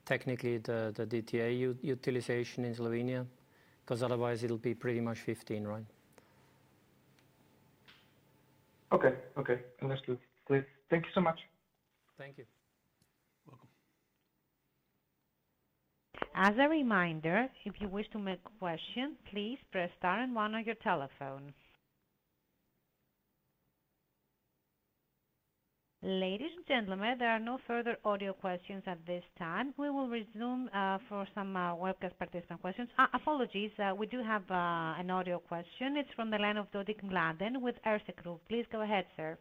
technically the DTA utilization in Slovenia, because otherwise it'll be pretty much 15, right? Okay, okay. Understood. Thank you so much. Thank you. You're welcome. As a reminder, if you wish to make a question, please press star and one on your telephone. Ladies and gentlemen, there are no further audio questions at this time. We will resume for some webcast participant questions. Apologies, we do have an audio question. It's from the line of Dodig Mladen with Erste Group. Please go ahead, sir.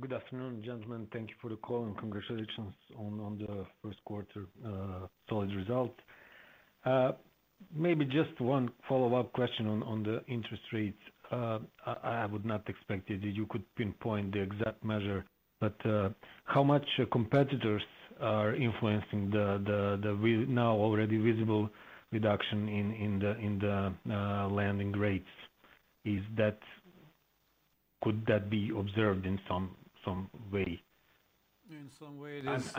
Good afternoon, gentlemen. Thank you for the call and congratulations on the first quarter solid results. Maybe just one follow-up question on the interest rates. I would not expect you could pinpoint the exact measure, but how much competitors are influencing the now already visible reduction in the lending rates? Could that be observed in some way? In some way, it is.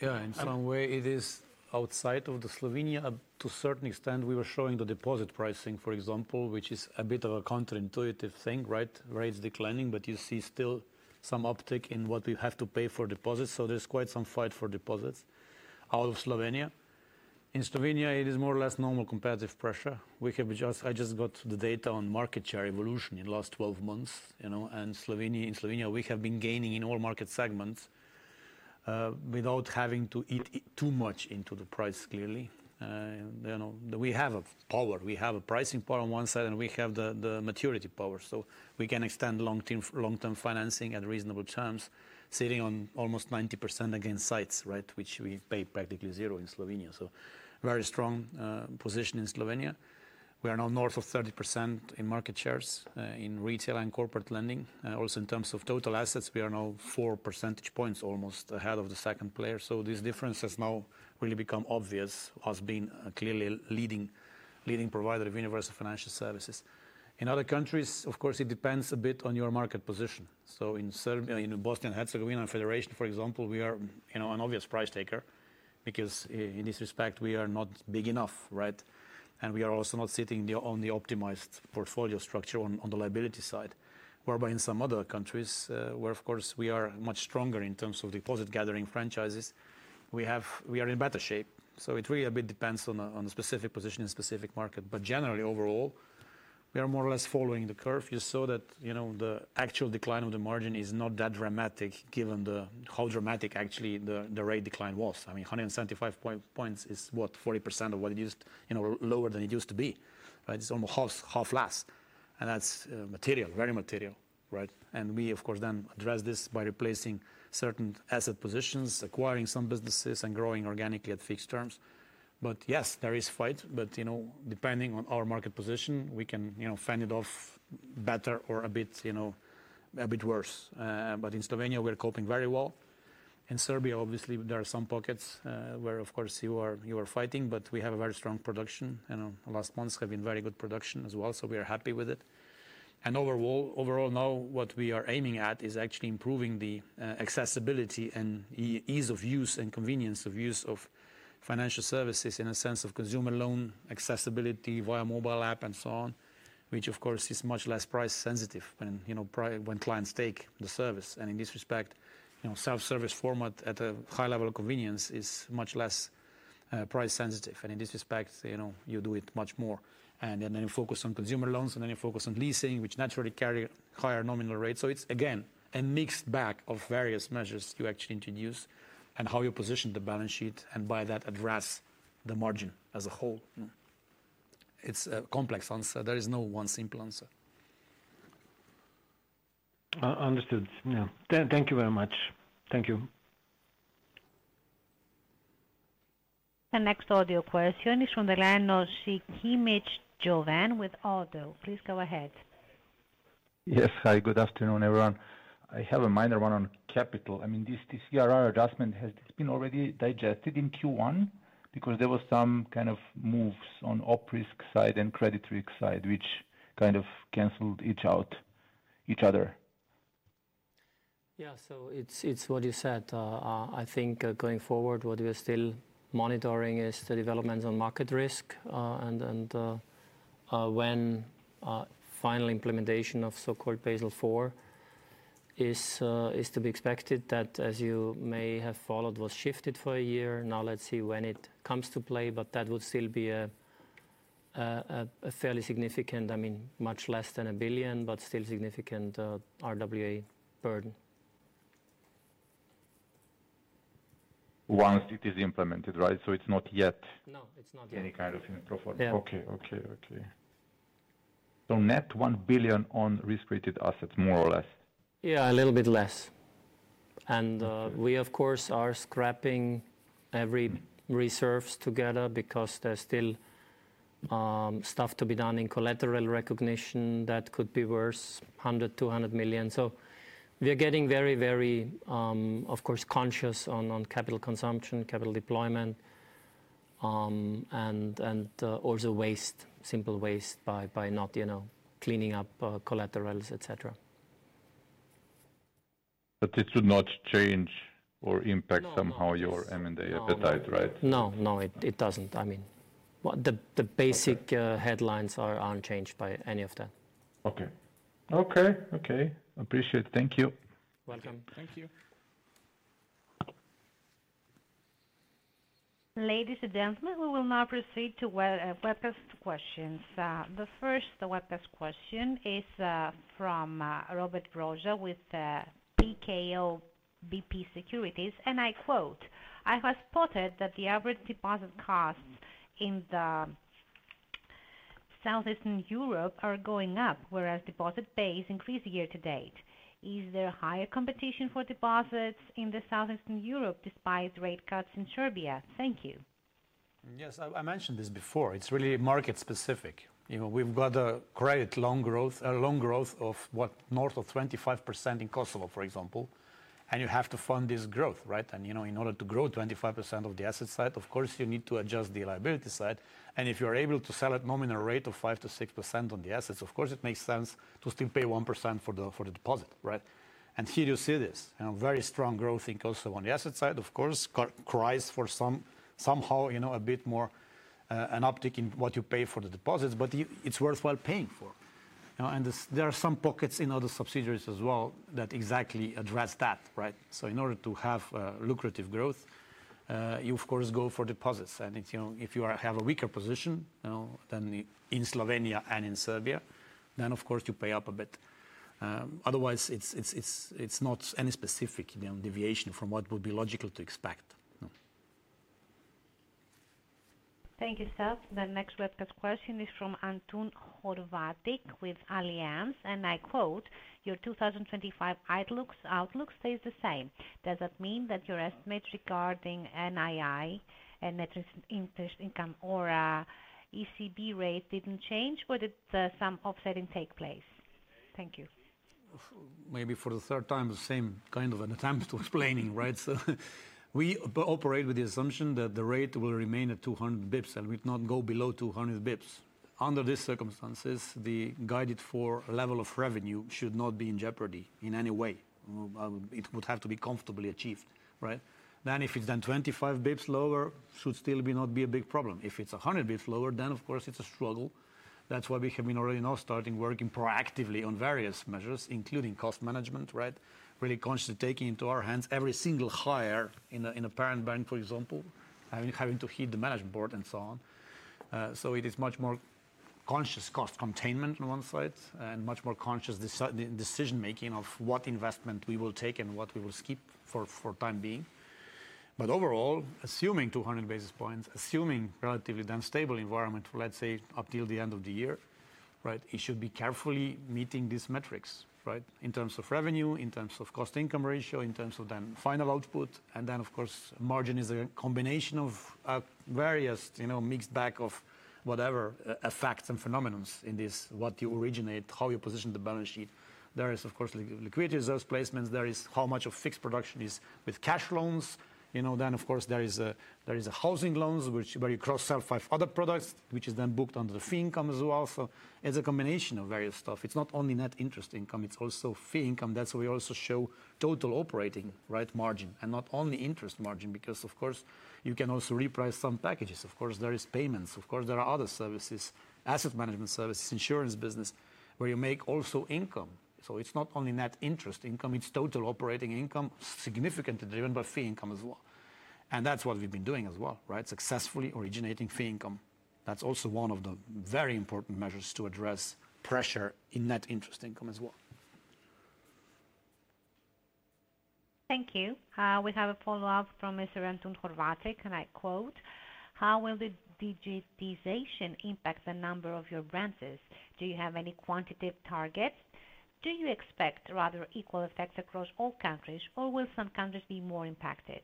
Yeah, in some way, it is outside of Slovenia. To a certain extent, we were showing the deposit pricing, for example, which is a bit of a counterintuitive thing, right? Rates declining, but you see still some uptick in what we have to pay for deposits. There is quite some fight for deposits out of Slovenia. In Slovenia, it is more or less normal competitive pressure. I just got the data on market share evolution in the last 12 months. In Slovenia, we have been gaining in all market segments without having to eat too much into the price, clearly. We have a power. We have a pricing power on one side, and we have the maturity power. We can extend long-term financing at reasonable terms, sitting on almost 90% against sites, which we pay practically zero in Slovenia. Very strong position in Slovenia. We are now north of 30% in market shares in retail and corporate lending. Also, in terms of total assets, we are now four percentage points almost ahead of the second player. This difference has now really become obvious as being a clearly leading provider of universal financial services. In other countries, of course, it depends a bit on your market position. In Bosnia and Herzegovina Federation, for example, we are an obvious price taker because in this respect, we are not big enough. We are also not sitting on the optimized portfolio structure on the liability side. Whereas in some other countries, where of course we are much stronger in terms of deposit gathering franchises, we are in better shape. It really a bit depends on a specific position in a specific market. Generally overall, we are more or less following the curve. You saw that the actual decline of the margin is not that dramatic given how dramatic actually the rate decline was. I mean, 175 basis points is what, 40% of what it used to be? Lower than it used to be. It is almost half less. That is material, very material. We, of course, then address this by replacing certain asset positions, acquiring some businesses, and growing organically at fixed terms. Yes, there is fight. Depending on our market position, we can fend it off better or a bit worse. In Slovenia, we are coping very well. In Serbia, obviously, there are some pockets where, of course, you are fighting, but we have a very strong production. The last months have been very good production as well. We are happy with it. Overall, now what we are aiming at is actually improving the accessibility and ease of use and convenience of use of financial services in a sense of consumer loan accessibility via mobile app and so on, which of course is much less price sensitive when clients take the service. In this respect, self-service format at a high level of convenience is much less price sensitive. In this respect, you do it much more. You focus on consumer loans, and then you focus on leasing, which naturally carry higher nominal rates. It's, again, a mixed bag of various measures you actually introduce and how you position the balance sheet and by that address the margin as a whole. It's a complex answer. There is no one simple answer. Understood. Thank you very much. Thank you. The next audio question is from the line of Sikimić Jovan with ODDO. Please go ahead. Yes, hi. Good afternoon, everyone. I have a minor one on capital. I mean, this ERR adjustment, has this been already digested in Q1? Because there were some kind of moves on operisk side and credit risk side, which kind of canceled each other. Yeah, it's what you said. I think going forward, what we are still monitoring is the developments on market risk. And when final implementation of so-called Basel IV is to be expected, that as you may have followed, was shifted for a year. Now let's see when it comes to play, but that would still be a fairly significant, I mean, much less than a billion, but still significant RWA burden. Once it is implemented, right? It is not yet. No, it is not yet. Any kind of improvement. Okay, okay, okay. So net one billion on risk-rated assets, more or less. Yeah, a little bit less. And we, of course, are scrapping every reserve together because there is still stuff to be done in collateral recognition that could be worth 100-200 million. We are getting very, very, of course, conscious on capital consumption, capital deployment, and also waste, simple waste by not cleaning up collaterals, etc. This would not change or impact somehow your M&A appetite, right? No, no, it does not. I mean, the basic headlines are unchanged by any of that. Okay, okay, okay. Appreciate it. Thank you. Welcome. Thank you. Ladies and gentlemen, we will now proceed to webcast questions. The first webcast question is from Robert Brzoza with PKO BP Securities. And I quote, "I have spotted that the average deposit costs in the Southeastern Europe are going up, whereas deposit base increased year to date. Is there higher competition for deposits in the Southeastern Europe despite rate cuts in Serbia?" Thank you. Yes, I mentioned this before. It's really market specific. We've got a credit long growth of what, north of 25% in Kosovo, for example. You have to fund this growth, right? In order to grow 25% of the asset side, of course, you need to adjust the liability side. If you're able to sell at nominal rate of 5-6% on the assets, of course, it makes sense to still pay 1% for the deposit, right? Here you see this. Very strong growth in Kosovo on the asset side, of course, cries for somehow a bit more an uptick in what you pay for the deposits, but it is worthwhile paying for. There are some pockets in other subsidiaries as well that exactly address that, right? In order to have lucrative growth, you, of course, go for deposits. If you have a weaker position than in Slovenia and in Serbia, then, of course, you pay up a bit. Otherwise, it is not any specific deviation from what would be logical to expect. Thank you, sir. The next webcast question is from Antun Horvatić with Allianz. I quote, "Your 2025 outlook stays the same. Does that mean that your estimates regarding NII and net interest income or ECB rate did not change, or did some offsetting take place?" Thank you. Maybe for the third time, the same kind of an attempt to explain, right? We operate with the assumption that the rate will remain at 200 basis points and will not go below 200 basis points. Under these circumstances, the guided for level of revenue should not be in jeopardy in any way. It would have to be comfortably achieved, right? If it is 25 basis points lower, should still not be a big problem. If it is 100 basis points lower, then of course, it is a struggle. That is why we have been already now starting working proactively on various measures, including cost management, right? Really consciously taking into our hands every single hire in a parent bank, for example, having to heed the management board and so on. It is much more conscious cost containment on one side and much more conscious decision-making of what investment we will take and what we will skip for the time being. Overall, assuming 200 basis points, assuming relatively then stable environment, let's say up till the end of the year, right? It should be carefully meeting these metrics, right? In terms of revenue, in terms of cost income ratio, in terms of then final output. Of course, margin is a combination of various mixed bag of whatever effects and phenomenons in this, what you originate, how you position the balance sheet. There is, of course, liquidity reserve placements. There is how much of fixed production is with cash loans. Of course, there is housing loans where you cross-sell five other products, which is then booked under the fee income as well. It is a combination of various stuff. It is not only net interest income, it is also fee income. That is why we also show total operating margin and not only interest margin, because, of course, you can also reprice some packages. Of course, there are payments. Of course, there are other services, asset management services, insurance business, where you make also income. It is not only net interest income, it is total operating income significantly driven by fee income as well. That is what we have been doing as well, right? Successfully originating fee income. That is also one of the very important measures to address pressure in net interest income as well. Thank you. We have a follow-up from Mr. Antun Horvatić, and I quote, "How will the digitization impact the number of your branches? Do you have any quantitative targets? Do you expect rather equal effects across all countries, or will some countries be more impacted?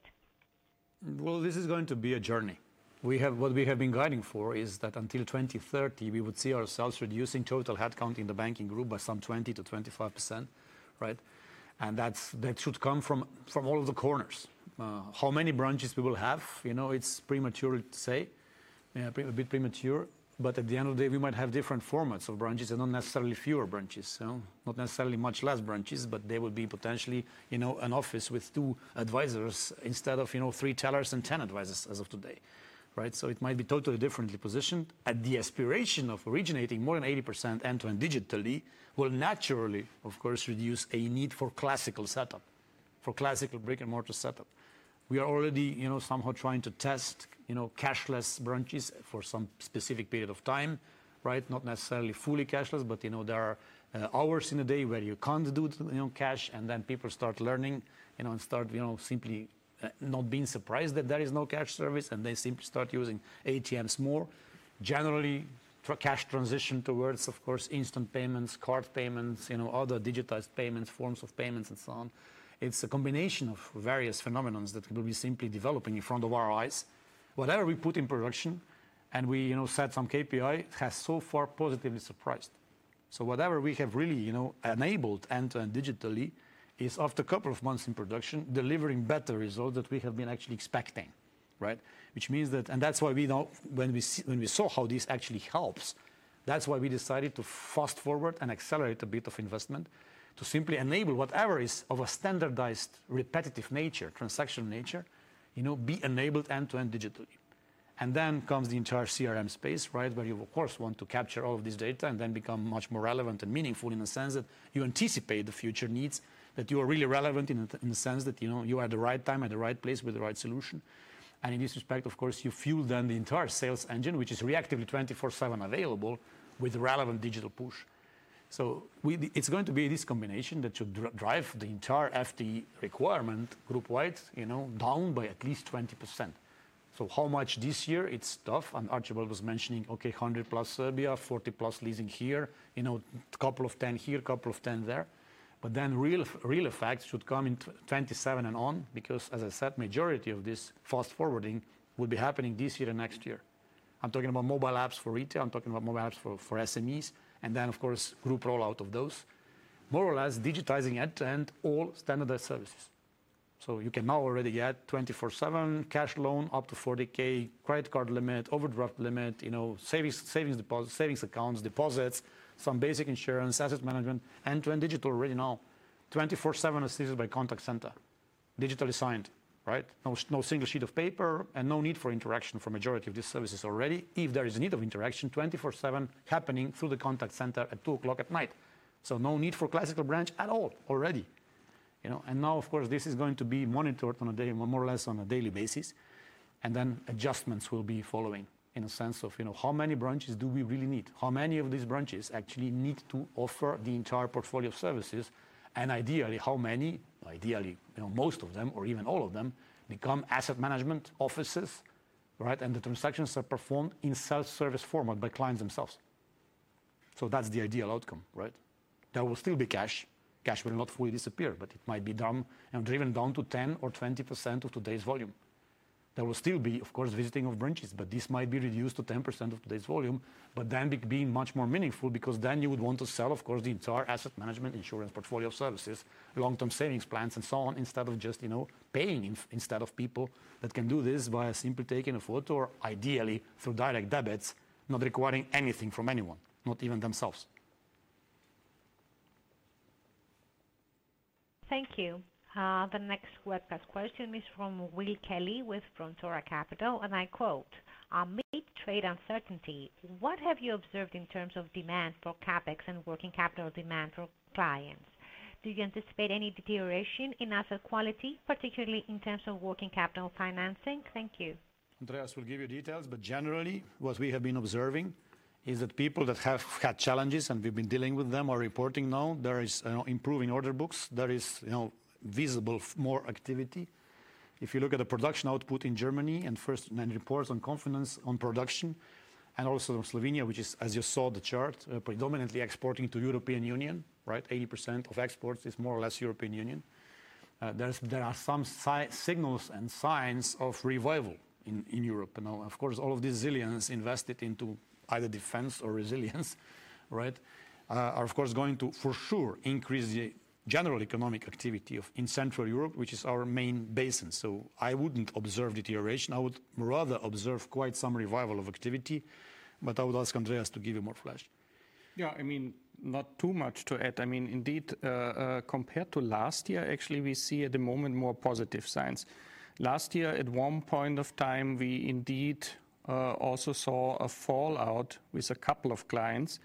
This is going to be a journey. What we have been guiding for is that until 2030, we would see ourselves reducing total headcount in the banking group by some 20%-25%, right? That should come from all of the corners. How many branches we will have, it's a bit premature to say. At the end of the day, we might have different formats of branches and not necessarily fewer branches. Not necessarily much less branches, but they would be potentially an office with two advisors instead of three tellers and ten advisors as of today, right? It might be totally differently positioned. The aspiration of originating more than 80% end-to-end digitally will naturally, of course, reduce a need for classical setup, for classical brick-and-mortar setup. We are already somehow trying to test cashless branches for some specific period of time, right? Not necessarily fully cashless, but there are hours in a day where you can't do cash, and then people start learning and start simply not being surprised that there is no cash service, and they simply start using ATMs more. Generally, cash transition towards, of course, instant payments, card payments, other digitized payments, forms of payments, and so on. It's a combination of various phenomena that will be simply developing in front of our eyes. Whatever we put in production and we set some KPI, it has so far positively surprised. So whatever we have really enabled end-to-end digitally is, after a couple of months in production, delivering better results than we have been actually expecting, right? Which means that, and that's why we know when we saw how this actually helps, that's why we decided to fast forward and accelerate a bit of investment to simply enable whatever is of a standardized repetitive nature, transactional nature, be enabled end-to-end digitally. Then comes the entire CRM space, right? Where you, of course, want to capture all of this data and then become much more relevant and meaningful in the sense that you anticipate the future needs, that you are really relevant in the sense that you are at the right time at the right place with the right solution. In this respect, of course, you fuel then the entire sales engine, which is reactively 24/7 available with the relevant digital push. It is going to be this combination that should drive the entire FTE requirement group-wide down by at least 20%. How much this year, it's tough. Archibald was mentioning, okay, 100 plus Serbia, 40 plus leasing here, a couple of 10 here, a couple of 10 there. The real effects should come in 2027 and on, because as I said, the majority of this fast forwarding will be happening this year and next year. I'm talking about mobile apps for retail. I'm talking about mobile apps for SMEs. Of course, group rollout of those. More or less, digitizing end-to-end all standardized services. You can now already get 24/7 cash loan, up to 40,000 credit card limit, overdraft limit, savings accounts, deposits, some basic insurance, asset management, end-to-end digital already now, 24/7 assisted by contact center, digitally signed, right? No single sheet of paper and no need for interaction for the majority of these services already. If there is a need of interaction, 24/7 happening through the contact center at 2:00 A.M. at night. No need for classical branch at all already. Now, of course, this is going to be monitored more or less on a daily basis. Adjustments will be following in the sense of how many branches do we really need? How many of these branches actually need to offer the entire portfolio of services? Ideally, how many, ideally most of them or even all of them become asset management offices, right? The transactions are performed in self-service format by clients themselves. That is the ideal outcome, right? There will still be cash. Cash will not fully disappear, but it might be driven down to 10% or 20% of today's volume. There will still be, of course, visiting of branches, but this might be reduced to 10% of today's volume, but then being much more meaningful because then you would want to sell, of course, the entire asset management, insurance portfolio of services, long-term savings plans, and so on, instead of just paying instead of people that can do this by simply taking a photo or ideally through direct debits, not requiring anything from anyone, not even themselves. Thank you. The next webcast question is from Will Kelley with Frontaura Capital. And I quote, "Amid trade uncertainty, what have you observed in terms of demand for CapEx and working capital demand for clients? Do you anticipate any deterioration in asset quality, particularly in terms of working capital financing?" Thank you. Andreas will give you details, but generally, what we have been observing is that people that have had challenges and we've been dealing with them are reporting now there is improving order books. There is visible more activity. If you look at the production output in Germany and first and reports on confidence on production, and also in Slovenia, which is, as you saw the chart, predominantly exporting to European Union, right? 80% of exports is more or less European Union. There are some signals and signs of revival in Europe. Of course, all of these zillions invested into either defense or resilience, right, are of course going to for sure increase the general economic activity in Central Europe, which is our main basin. I would not observe deterioration. I would rather observe quite some revival of activity, but I would ask Andreas to give you more flesh. Yeah, I mean, not too much to add. I mean, indeed, compared to last year, actually, we see at the moment more positive signs. Last year, at one point of time, we indeed also saw a fallout with a couple of clients.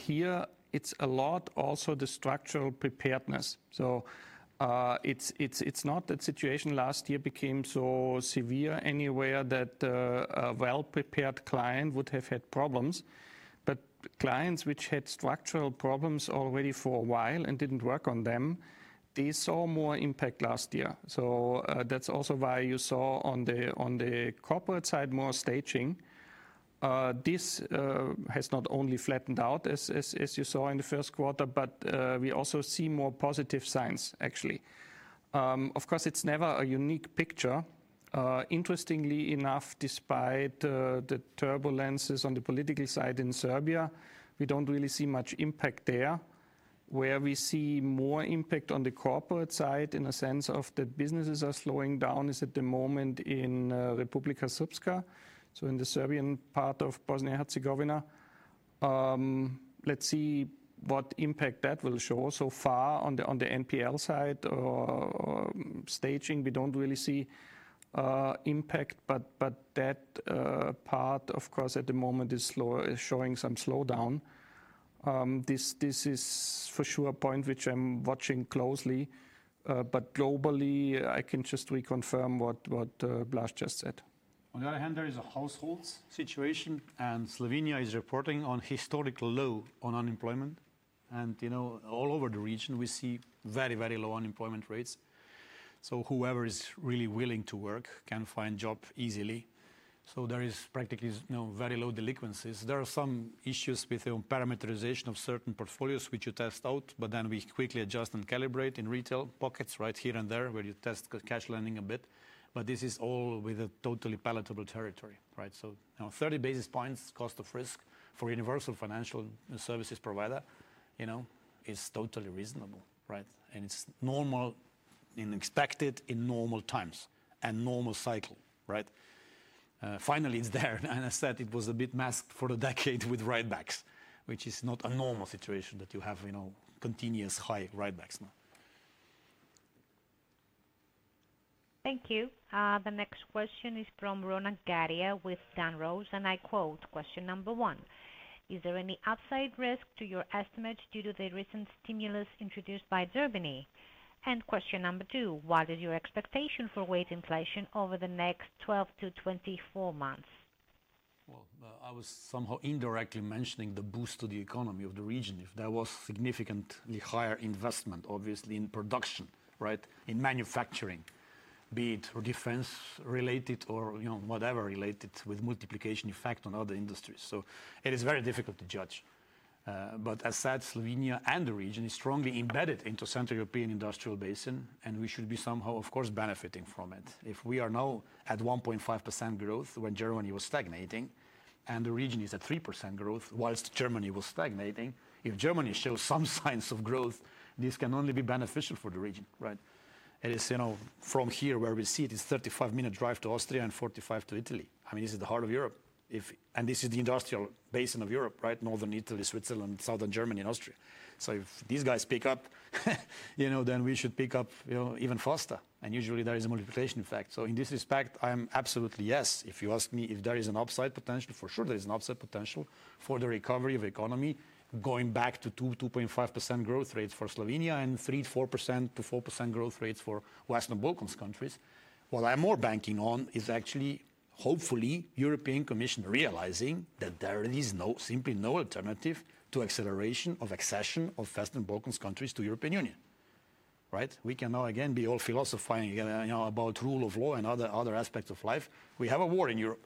Here, it's a lot also the structural preparedness. It's not that situation last year became so severe anywhere that a well-prepared client would have had problems. Clients which had structural problems already for a while and did not work on them, they saw more impact last year. That's also why you saw on the corporate side more staging. This has not only flattened out, as you saw in the first quarter, but we also see more positive signs, actually. Of course, it's never a unique picture. Interestingly enough, despite the turbulences on the political side in Serbia, we do not really see much impact there. Where we see more impact on the corporate side in the sense of that businesses are slowing down is at the moment in Republika Srpska, so in the Serbian part of Bosnia and Herzegovina. Let's see what impact that will show so far on the NPL side or staging. We don't really see impact, but that part, of course, at the moment is showing some slowdown. This is for sure a point which I'm watching closely. Globally, I can just reconfirm what Blaž Brodnjak said. On the other hand, there is a household situation, and Slovenia is reporting on historic low on unemployment. All over the region, we see very, very low unemployment rates. Whoever is really willing to work can find job easily. There is practically very low delinquencies. There are some issues with parameterization of certain portfolios, which you test out, but then we quickly adjust and calibrate in retail pockets right here and there where you test cash lending a bit. This is all within a totally palatable territory, right? Thirty basis points cost of risk for a universal financial services provider is totally reasonable, right? It is normal and expected in normal times and a normal cycle, right? Finally, it is there. As I said, it was a bit masked for a decade with write-backs, which is not a normal situation that you have continuous high write-backs now. Thank you. The next question is from Ronak Gadhia with Dunross. I quote question number one, "Is there any upside risk to your estimates due to the recent stimulus introduced by Germany?" Question number two, "What is your expectation for wage inflation over the next 12-24 months?" I was somehow indirectly mentioning the boost to the economy of the region if there was significantly higher investment, obviously, in production, right? In manufacturing, be it defense-related or whatever related with multiplication effect on other industries. It is very difficult to judge. As I said, Slovenia and the region is strongly embedded into the Central European industrial basin, and we should be somehow, of course, benefiting from it. If we are now at 1.5% growth when Germany was stagnating and the region is at 3% growth, whilst Germany was stagnating, if Germany shows some signs of growth, this can only be beneficial for the region, right? It is from here where we see it is a 35-minute drive to Austria and 45 to Italy. I mean, this is the heart of Europe. And this is the industrial basin of Europe, right? Northern Italy, Switzerland, southern Germany, and Austria. If these guys pick up, then we should pick up even faster. Usually, there is a multiplication effect. In this respect, I'm absolutely yes. If you ask me if there is an upside potential, for sure there is an upside potential for the recovery of the economy going back to 2.5% growth rates for Slovenia and 3%-4% growth rates for Western Balkans countries. What I am more banking on is actually, hopefully, the European Commission realizing that there is simply no alternative to acceleration of accession of Western Balkans countries to the European Union, right? We can now again be all philosophying about rule of law and other aspects of life. We have a war in Europe.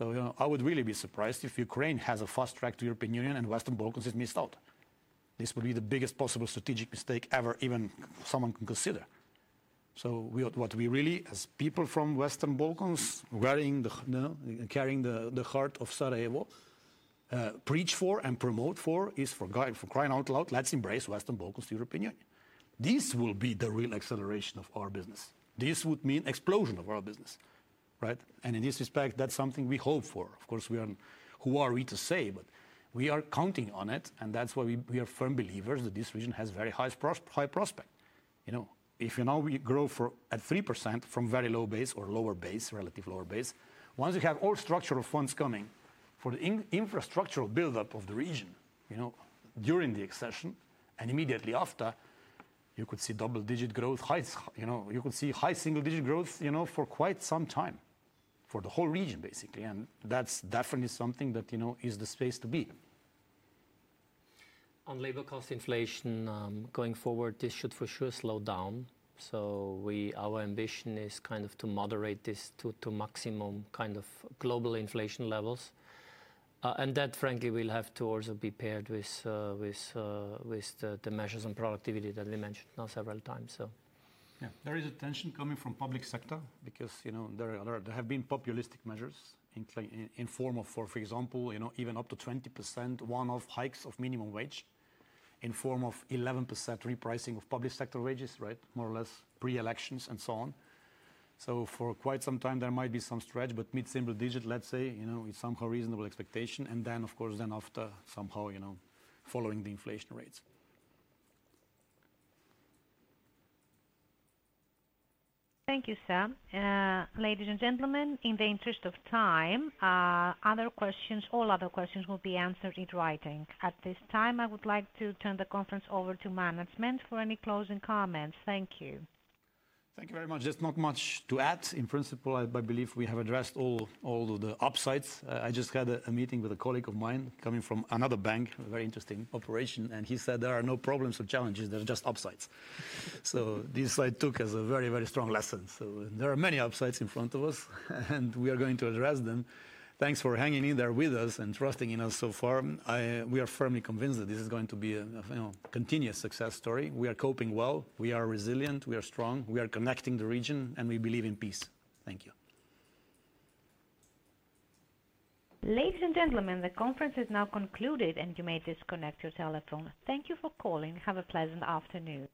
I would really be surprised if Ukraine has a fast track to the European Union and Western Balkans is missed out. This would be the biggest possible strategic mistake ever even someone can consider. What we really, as people from Western Balkans, carrying the heart of Sarajevo, preach for and promote for is for crying out loud, "Let's embrace Western Balkans to the European Union." This will be the real acceleration of our business. This would mean explosion of our business, right? In this respect, that's something we hope for. Of course, who are we to say, but we are counting on it. That's why we are firm believers that this region has very high prospects. If you now grow at 3% from very low base or lower base, relative lower base, once you have all structural funds coming for the infrastructural buildup of the region during the accession and immediately after, you could see double-digit growth. You could see high single-digit growth for quite some time for the whole region, basically. That is definitely something that is the space to be. On labor cost inflation going forward, this should for sure slow down. Our ambition is kind of to moderate this to maximum kind of global inflation levels. That, frankly, will have to also be paired with the measures on productivity that we mentioned now several times. Yeah, there is a tension coming from the public sector because there have been populistic measures in form of, for example, even up to 20% one-off hikes of minimum wage in form of 11% repricing of public sector wages, right? More or less pre-elections and so on. For quite some time, there might be some stretch, but mid-single digit, let's say, is somehow reasonable expectation. Then, of course, after somehow following the inflation rates. Thank you, sir. Ladies and gentlemen, in the interest of time, all other questions will be answered in writing. At this time, I would like to turn the conference over to management for any closing comments. Thank you. Thank you very much. There is not much to add. In principle, I believe we have addressed all of the upsides. I just had a meeting with a colleague of mine coming from another bank, a very interesting operation. He said there are no problems or challenges. There are just upsides. I took this as a very, very strong lesson. There are many upsides in front of us, and we are going to address them. Thanks for hanging in there with us and trusting in us so far. We are firmly convinced that this is going to be a continuous success story. We are coping well. We are resilient. We are strong. We are connecting the region, and we believe in peace. Thank you. Ladies and gentlemen, the conference is now concluded, and you may disconnect your telephone. Thank you for calling. Have a pleasant afternoon.